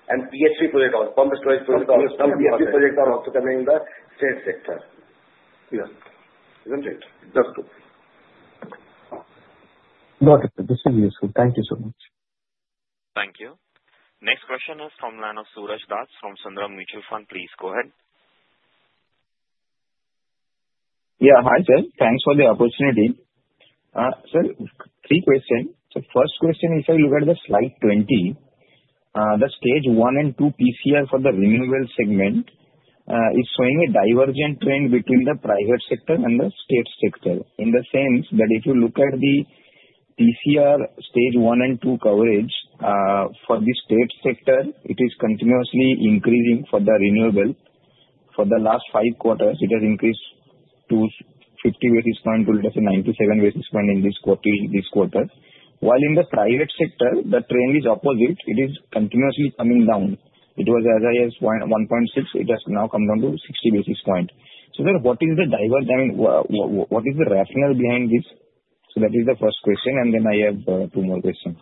And PSP project also. Pumped storage project also. Some PSP projects are also coming in the state sector. Yes. Isn't it? That's true. Got it. This is useful. Thank you so much. Thank you. Next question is from the line of Suraj Das from Sundaram Mutual Fund. Please go ahead. Yeah. Hi, sir. Thanks for the opportunity. Sir, three questions. First question, if I look at the slide 20, the stage one and two PCR for the renewable segment is showing a divergent trend between the private sector and the state sector in the sense that if you look at the PCR stage one and two coverage for the state sector, it is continuously increasing for the renewable. For the last five quarters, it has increased to 50 basis points to 97 basis points in this quarter. While in the private sector, the trend is opposite. It is continuously coming down. It was as high as 1.6. It has now come down to 60 basis points. Sir, what is the divergence? I mean, what is the rationale behind this? That is the first question. And then I have two more questions.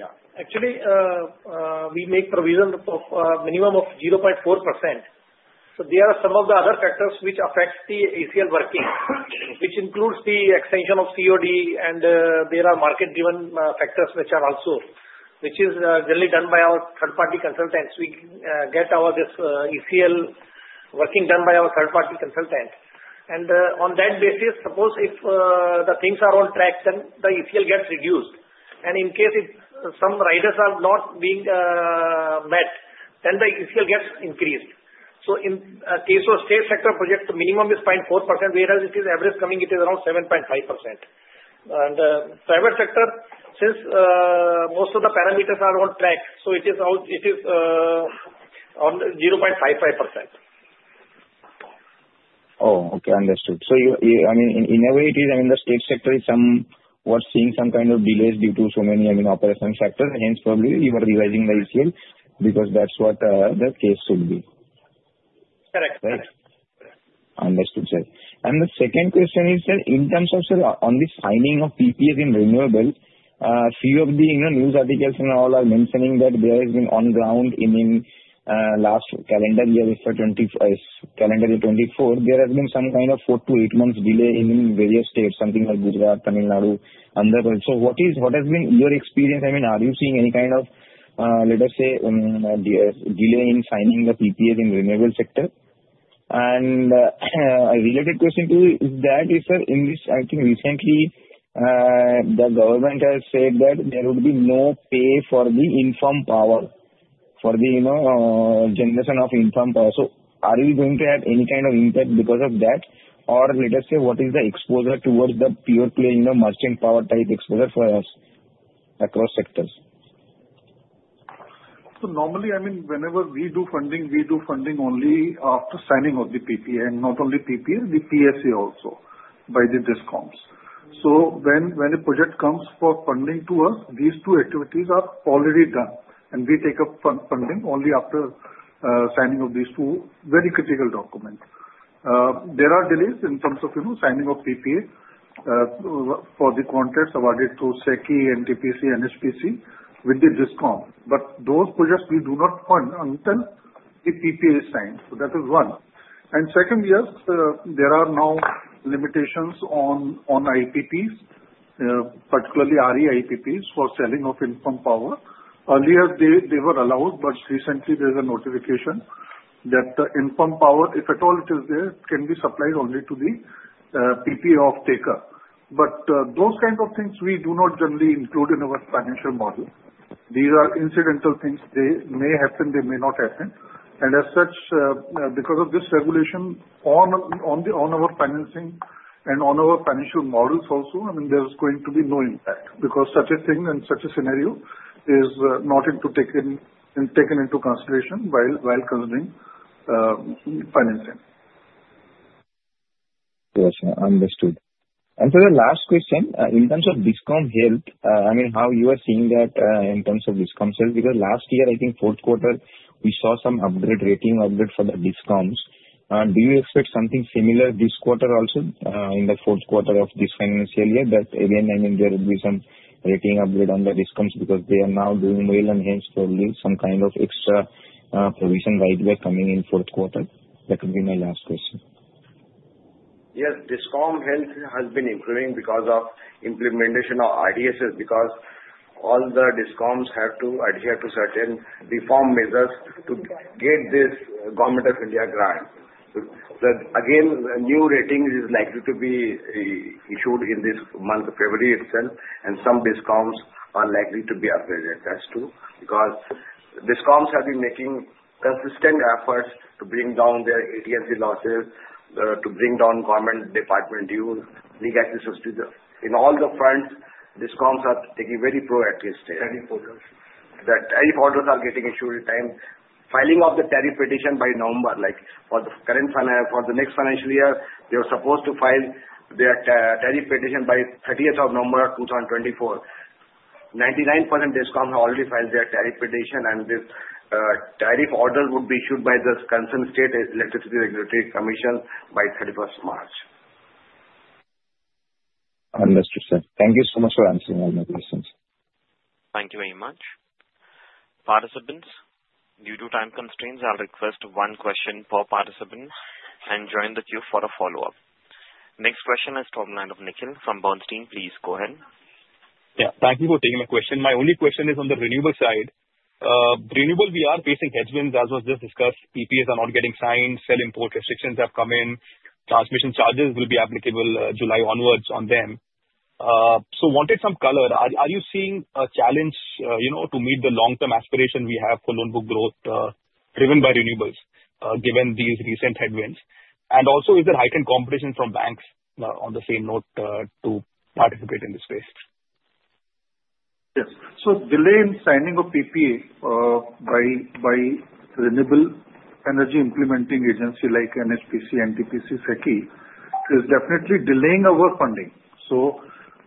Yeah. Actually, we make provision of a minimum of 0.4%. There are some of the other factors which affect the ECL working, which includes the extension of COD, and there are market-driven factors which are also, which is generally done by our third-party consultants. We get our ECL working done by our third-party consultant. On that basis, suppose if the things are on track, then the ECL gets reduced. In case if some riders are not being met, then the ECL gets increased. In the case of state sector projects, the minimum is 0.4%, whereas it is average coming; it is around 7.5%. Private sector, since most of the parameters are on track, so it is on 0.55%. Oh, okay. Understood. I mean, in every case, I mean, the state sector is somewhat seeing some kind of delays due to so many, I mean, operational factors. Hence, probably you are revising the ECL because that's what the case should be. Correct. Correct. Understood, sir. And the second question is, sir, in terms of, sir, on the signing of PPAs in renewable, a few of the news articles and all are mentioning that there has been on ground in last calendar year for calendar year 2024, there has been some kind of four to eight months delay in various states, something like Gujarat, Tamil Nadu, Andhra Pradesh. So what has been your experience? I mean, are you seeing any kind of, let us say, delay in signing the PPAs in renewable sector? And a related question to that is, sir, in this, I think recently, the government has said that there would be no payment for the infirm power, for the generation of infirm power. So are we going to have any kind of impact because of that? Or let us say, what is the exposure towards the pure play merchant power type exposure for us across sectors? So normally, I mean, whenever we do funding, we do funding only after signing of the PPA, and not only PPA, the PSA also by the DISCOMS. So when a project comes for funding to us, these two activities are already done, and we take up funding only after signing of these two very critical documents. There are delays in terms of signing of PPA for the contracts awarded through SECI, NTPC, NHPC with the DISCOMS. But those projects, we do not fund until the PPA is signed. So that is one, and second, yes, there are now limitations on IPPs, particularly RE IPPs for selling of infirm power. Earlier, they were allowed, but recently, there's a notification that the infirm power, if at all it is there, can be supplied only to the PPA off-taker. But those kinds of things, we do not generally include in our financial model. These are incidental things. They may happen. They may not happen. And as such, because of this regulation on our financing and on our financial models also, I mean, there's going to be no impact because such a thing and such a scenario is not taken into consideration while considering financing. Yes, sir. Understood. And so the last question, in terms of DISCOM health, I mean, how you are seeing that in terms of DISCOM health? Because last year, I think fourth quarter, we saw some upgrade, rating upgrade for the DISCOMS. Do you expect something similar this quarter also in the fourth quarter of this financial year that, again, I mean, there will be some rating upgrade on the DISCOMS because they are now doing well, and hence, probably some kind of extra provision right away coming in fourth quarter? That would be my last question. Yes. DISCOM health has been improving because of implementation of RDSS because all the DISCOMS have to adhere to certain reform measures to get this Government of India grant. So again, new ratings is likely to be issued in this month of February itself, and some DISCOMS are likely to be approved. That's true because DISCOMS have been making consistent efforts to bring down their AT&C losses, to bring down government department dues, litigation. In all the fronts, DISCOMS are taking very proactive steps. Tariff orders. That tariff orders are getting issued in time. Filing of the tariff petition by November. For the next financial year, they were supposed to file their tariff petition by 30th of November 2024. 99% DISCOMS have already filed their tariff petition, and the tariff order would be issued by the concerned state electricity regulatory commission by 31st March. Understood, sir. Thank you so much for answering all my questions. Thank you very much. Participants, due to time constraints, I'll request one question per participant and join the queue for a follow-up. Next question is from the line of Nikhil from Bernstein. Please go ahead. Yeah. Thank you for taking my question. My only question is on the renewable side. Renewable, we are facing headwinds, as was just discussed. PPAs are not getting signed. Cell import restrictions have come in. Transmission charges will be applicable July onwards on them. So wanted some color. Are you seeing a challenge to meet the long-term aspiration we have for loan book growth driven by renewables given these recent headwinds? And also, is there heightened competition from banks on the same note to participate in this space? Yes. So delay in signing of PPA by renewable energy implementing agency like NHPC, NTPC, SECI is definitely delaying our funding. So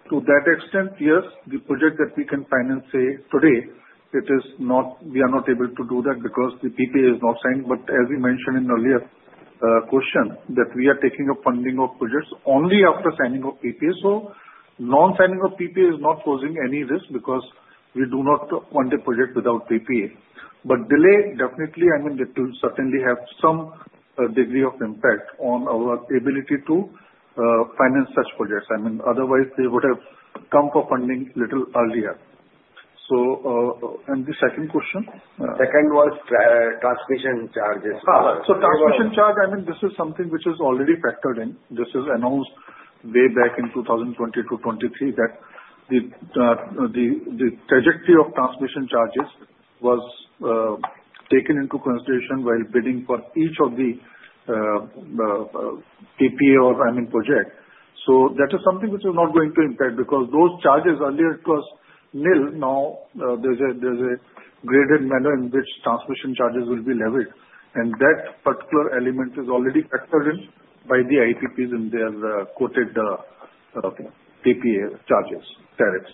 to that extent, yes, the project that we can finance today, we are not able to do that because the PPA is not signed. But as you mentioned in earlier question, that we are taking up funding of projects only after signing of PPA. So non-signing of PPA is not posing any risk because we do not want a project without PPA. But delay, definitely, I mean, it will certainly have some degree of impact on our ability to finance such projects. I mean, otherwise, they would have come for funding a little earlier. And the second question? Second was transmission charges. So transmission charge, I mean, this is something which is already factored in. This is announced way back in 2022, 2023, that the trajectory of transmission charges was taken into consideration while bidding for each of the PPA or, I mean, project. So that is something which is not going to impact because those charges earlier was nil. Now there's a graded manner in which transmission charges will be levied. And that particular element is already factored in by the IPPs in their quoted PPA charges, tariffs.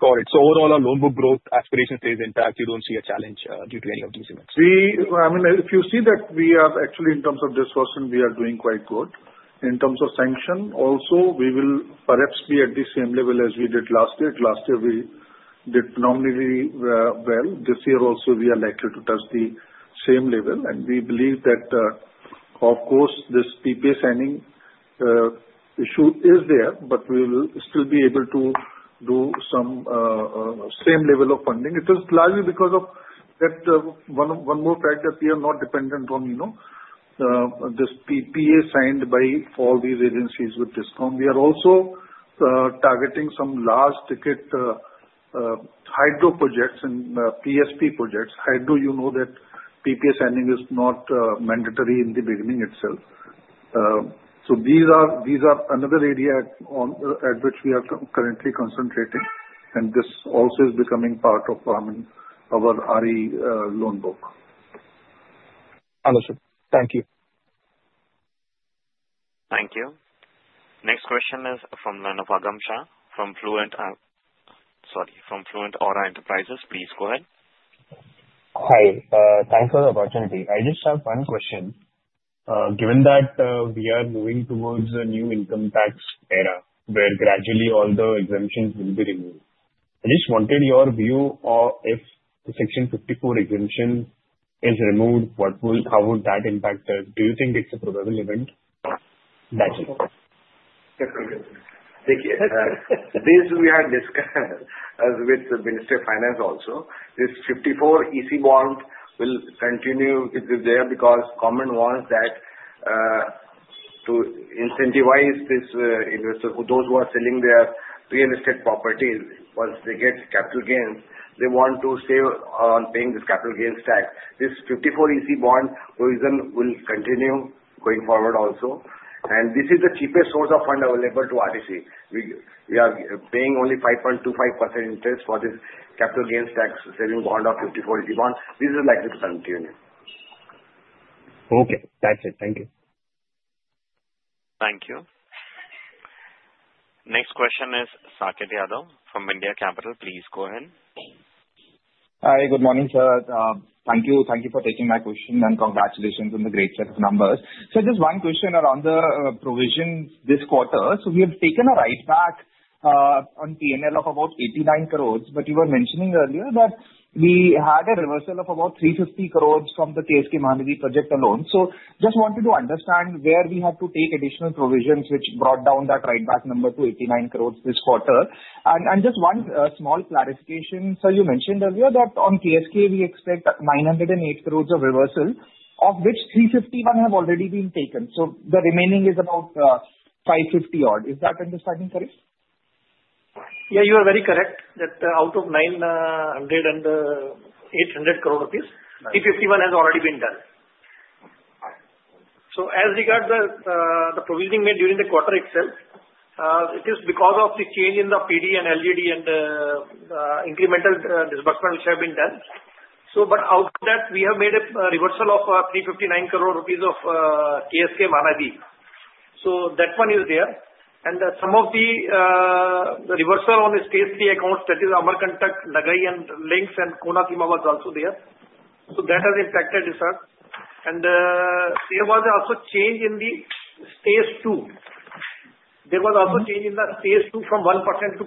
Got it. So overall, our loan book growth aspiration stays intact. You don't see a challenge due to any of these events? I mean, if you see that we are actually, in terms of this question, we are doing quite good. In terms of sanction, also, we will perhaps be at the same level as we did last year. Last year, we did normally well. This year also, we are likely to touch the same level. And we believe that, of course, this PPA signing issue is there, but we will still be able to do some same level of funding. It is largely because of one more fact that we are not dependent on this PPA signed by all these agencies with discount. We are also targeting some large ticket hydro projects and PSP projects. Hydro, you know that PPA signing is not mandatory in the beginning itself. So these are another area at which we are currently concentrating. And this also is becoming part of our RE loan book. Understood. Thank you. Thank you. Next question is from the line of Aagam Shah from Flute Aura Enterprises. Please go ahead. Hi. Thanks for the opportunity. I just have one question. Given that we are moving towards a new income tax era where gradually all the exemptions will be removed, I just wanted your view if the Section 54EC exemption is removed, how would that impact us? Do you think it's a probable event? That's it. Basically, we are discussing with the Ministry of Finance also. This 54EC bond will continue to be there because government wants that to incentivize those who are selling their real estate properties once they get capital gains. They want to save on paying this capital gains tax. This 54EC bond provision will continue going forward also, and this is the cheapest source of fund available to REC. We are paying only 5.25% interest for this capital gains tax saving bond of 54EC bond. This is likely to continue. Okay. That's it. Thank you. Thank you. Next question is Saket Yadav from India Capital. Please go ahead. Hi. Good morning, sir. Thank you for taking my question and congratulations on the great set of numbers. So just one question around the provision this quarter. So we have taken a write-back on P&L of about 89 crores. But you were mentioning earlier that we had a reversal of about 350 crores from the KSK Mahanadi project alone. So just wanted to understand where we had to take additional provisions which brought down that write-back number to 89 crores this quarter. And just one small clarification. So you mentioned earlier that on KSK, we expect 908 crores of reversal, of which 350 have already been taken. So the remaining is about 550-odd. Is that understanding correct? Yeah. You are very correct that out of 908 crores rupees, 351 crore has already been done. So as regards the provisioning made during the quarter itself, it is because of the change in the PD and LGD and incremental disbursement which have been done. But out of that, we have made a reversal of 359 crores rupees of KSK Mahanadi. So that one is there. And some of the reversal on the Stage 3 accounts, that is Amarkantak, Nagai, and Lanco, and KSK Mahanadi is also there. So that has impacted, sir. And there was also change in the Stage 2. There was also change in the Stage 2 from 1% to 0.5%.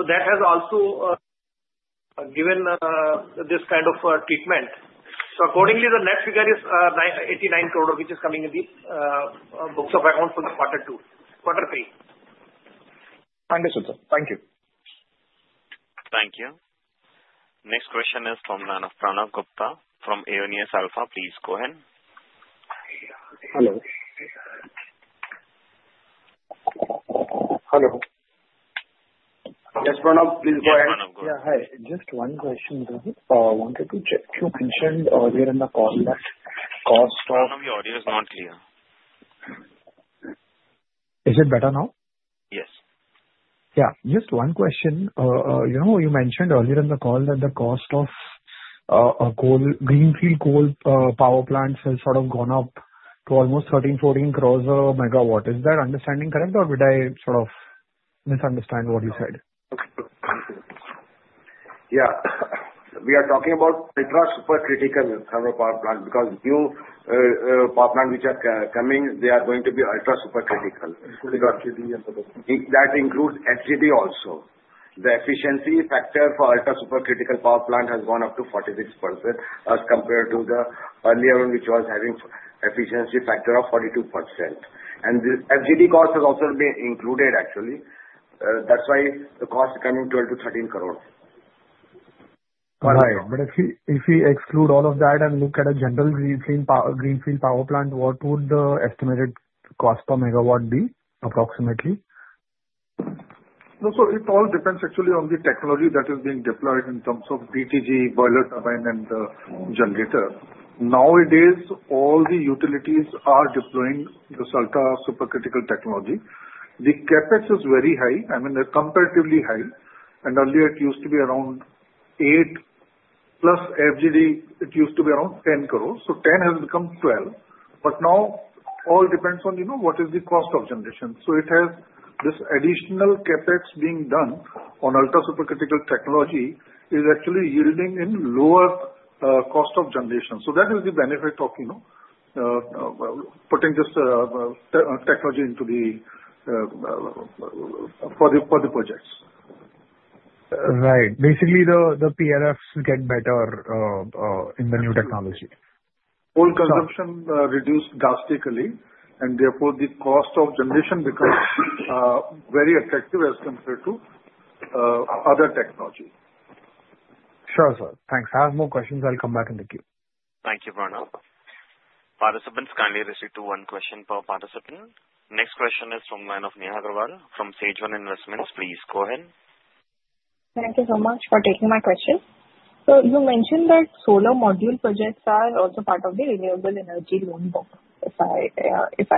So that has also given this kind of treatment. So accordingly, the next figure is 89 crores, which is coming in the books of accounts for the Quarter 2, Quarter 3. Understood, sir. Thank you. Thank you. Next question is from the line of Pranav Gupta from Aionios Alpha. Please go ahead. Yeah. Hi. Just one question. I wanted to check. You mentioned earlier in the call that the cost of greenfield coal power plants has sort of gone up to almost 13, 14 crores a megawatt. Is that understanding correct, or did I sort of misunderstand what you said? Yeah. We are talking about ultra supercritical power plant because new power plants which are coming, they are going to be ultra supercritical. That includes FGD also. The efficiency factor for ultra supercritical power plant has gone up to 46% as compared to the earlier one which was having efficiency factor of 42%, and the FGD cost has also been included, actually. That's why the cost is coming 12-13 crores, but if we exclude all of that and look at a general Greenfield Power Plant, what would the estimated cost per megawatt be approximately? So it all depends actually on the technology that is being deployed in terms of BTG boiler turbine and generator. Nowadays, all the utilities are deploying the ultra supercritical technology. The CapEx is very high. I mean, comparatively high. And earlier, it used to be around 8 plus FGD, it used to be around 10 crores. So 10 has become 12, but now, all depends on what is the cost of generation. So it has this additional CapEx being done on Ultra Supercritical technology is actually yielding in lower cost of generation. So that is the benefit of putting this technology into the for the projects. Right. Basically, the PRFs get better in the new technology. Coal consumption reduced drastically. And therefore, the cost of generation becomes very attractive as compared to other technology. Sure, sir. Thanks. I have more questions. I'll come back in the queue. Thank you, Pranav. Participants, kindly receive one question per participant. Next question is from the line of Nikhil Agrawal from Sage One Investment Advisors. Please go ahead. Thank you so much for taking my question. So you mentioned that solar module projects are also part of the renewable energy loan book, if I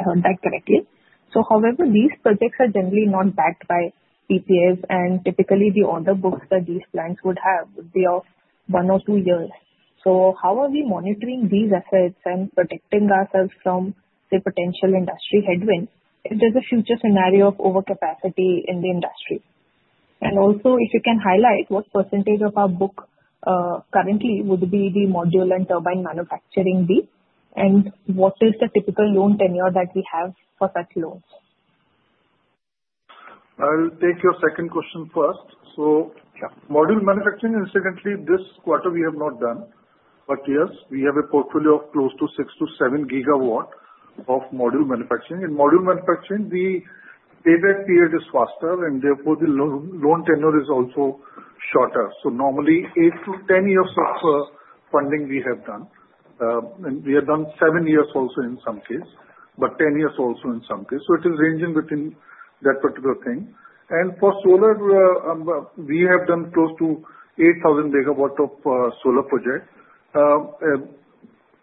heard that correctly. So however, these projects are generally not backed by PPAs. And typically, the order books that these plants would have would be of one or two years. So how are we monitoring these efforts and protecting ourselves from, say, potential industry headwinds? If there's a future scenario of overcapacity in the industry? And also, if you can highlight what percentage of our book currently would be the module and turbine manufacturing? And what is the typical loan tenure that we have for such loans? I'll take your second question first. So module manufacturing, incidentally, this quarter we have not done. But yes, we have a portfolio of close to 6-7 gigawatts of module manufacturing. In module manufacturing, the payback period is faster. And therefore, the loan tenure is also shorter. So normally, 8-10 years of funding we have done. We have done seven years also in some cases, but 10 years also in some cases. It is ranging within that particular thing. For solar, we have done close to 8,000 MW of solar projects.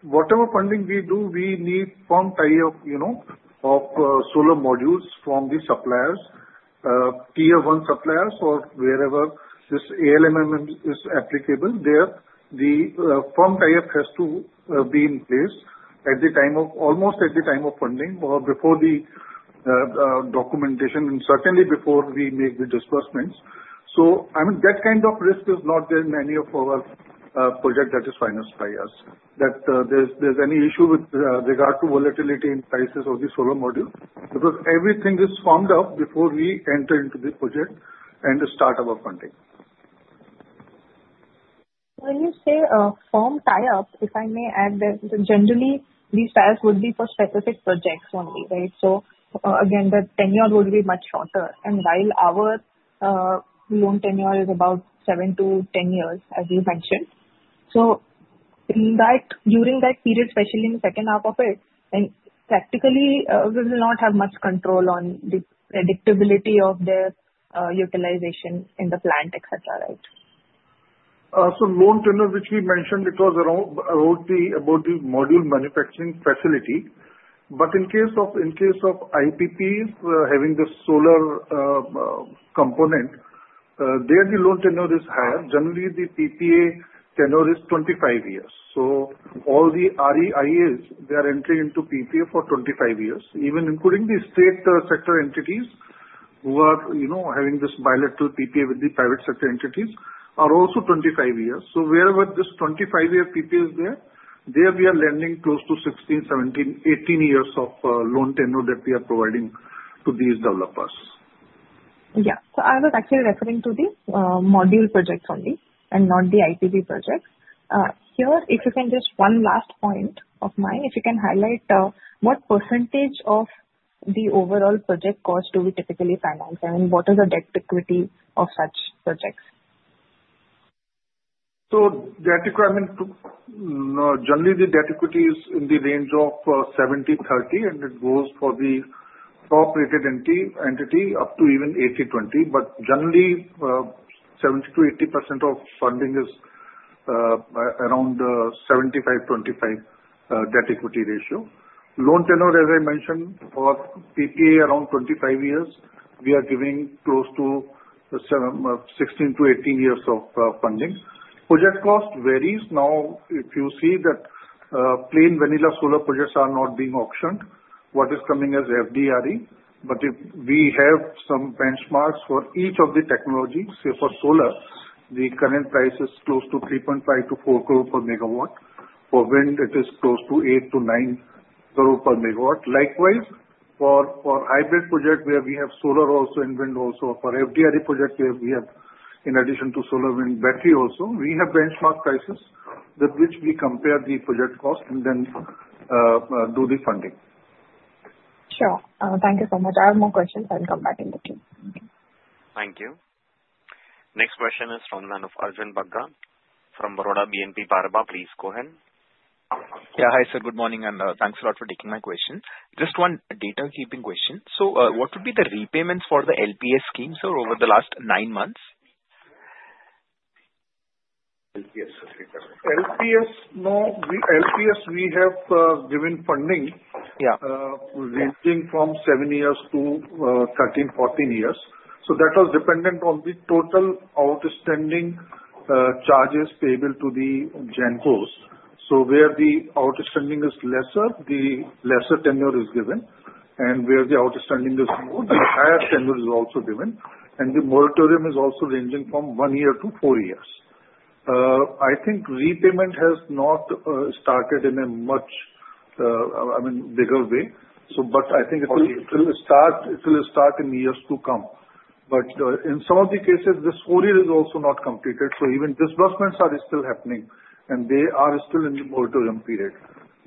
Whatever funding we do, we need firm tie-up of solar modules from the suppliers, Tier 1 suppliers or wherever this ALMM is applicable. There, the firm tie-up has to be in place almost at the time of funding or before the documentation and certainly before we make the disbursements. I mean, that kind of risk is not there in any of our projects that is financed by us, that there's any issue with regard to volatility in prices of the solar module because everything is firmed up before we enter into the project and start our funding. When you say firm tie-up, if I may add, generally, these files would be for specific projects only, right? So again, the tenure would be much shorter. And while our loan tenure is about seven to 10 years, as you mentioned, so during that period, especially in the second half of it, and practically, we will not have much control on the predictability of the utilization in the plant, etc., right? So loan tenure, which we mentioned, it was about the module manufacturing facility. But in case of IPPs having the solar component, there, the loan tenure is higher. Generally, the PPA tenure is 25 years. So all the REIAs, they are entering into PPA for 25 years, even including the state sector entities who are having this bilateral PPA with the private sector entities are also 25 years. So wherever this 25-year PPA is there, there we are lending close to 16-18 years of loan tenure that we are providing to these developers. Yeah. So I was actually referring to the module projects only and not the IPP projects. Here, if you can just one last point of mine, if you can highlight what percentage of the overall project cost do we typically finance? I mean, what is the debt equity of such projects? So debt equity, I mean, generally, the debt equity is in the range of 70-30, and it goes for the top-rated entity up to even 80-20. But generally, 70-80% of funding is around 75-25 debt equity ratio. Loan tenure, as I mentioned, for PPA, around 25 years. We are giving close to 16-18 years of funding. Project cost varies. Now, if you see that plain vanilla solar projects are not being auctioned, what is coming as FDRE. But we have some benchmarks for each of the technologies. For solar, the current price is close to 3.5-4 crores per megawatt. For wind, it is close to 8-9 crores per megawatt. Likewise, for hybrid projects where we have solar also and wind also, for FDRE projects where we have, in addition to solar wind battery also, we have benchmark prices with which we compare the project cost and then do the funding. Sure. Thank you so much. I have more questions. I'll come back in the queue. Thank you. Next question is from the line of Arjun Bagga from Baroda BNP Paribas. Please go ahead. Yeah. Hi, sir. Good morning. And thanks a lot for taking my question. Just one data-keeping question. So what would be the repayments for the LPS scheme, sir, over the last nine months? LPS, sorry. LPS, no. LPS, we have given funding ranging from 7 years to 13-14 years. So that was dependent on the total outstanding charges payable to the gencos. So where the outstanding is lesser, the lesser tenure is given. And where the outstanding is more, the higher tenure is also given. And the moratorium is also ranging from one year to four years. I think repayment has not started in a much, I mean, bigger way. But I think it will start in years to come. But in some of the cases, this four year is also not completed. So even disbursements are still happening, and they are still in the moratorium period.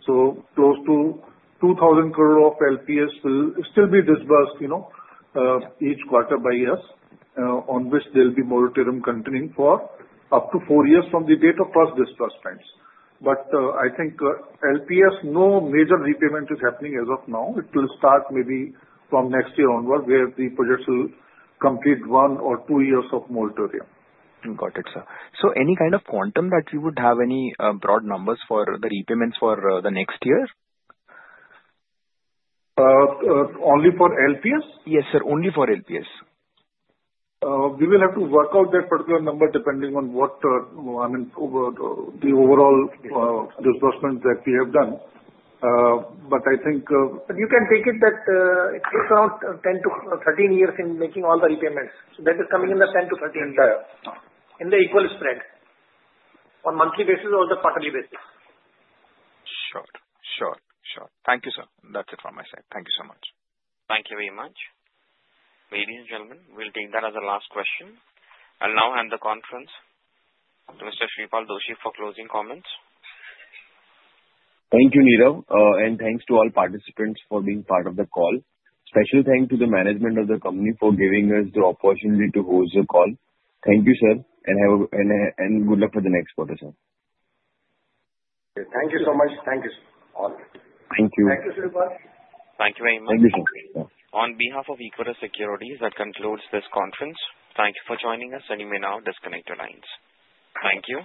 Close to 2,000 crores of LPS will still be disbursed each quarter by us, on which there will be moratorium continuing for up to four years from the date of first disbursements. But I think LPS, no major repayment is happening as of now. It will start maybe from next year onward, where the projects will complete one or two years of moratorium. Got it, sir. So any kind of quantum that you would have any broad numbers for the repayments for the next year? Only for LPS? Yes, sir. Only for LPS. We will have to work out that particular number depending on what, I mean, the overall disbursement that we have done. But I think you can take it that it's around 10 to 13 years in making all the repayments. So that is coming in the 10- to 13-year in the equal spread on monthly basis or the quarterly basis. Sure. Sure. Sure. Thank you, sir. That's it from my side. Thank you so much. Thank you very much. Ladies and gentlemen, we'll take that as a last question. I'll now hand the conference to Mr. Shreepal Doshi for closing comments. Thank you, Neerav. And thanks to all participants for being part of the call. Special thanks to the management of the company for giving us the opportunity to host the call. Thank you, sir. And good luck for the next quarter, sir. Thank you so much. Thank you, sir. All right. Thank you. Thank you, Shreepal. Thank you very much. Thank you, sir. On behalf of Equirus Securities, that concludes this conference. Thank you for joining us, and you may now disconnect your lines. Thank you.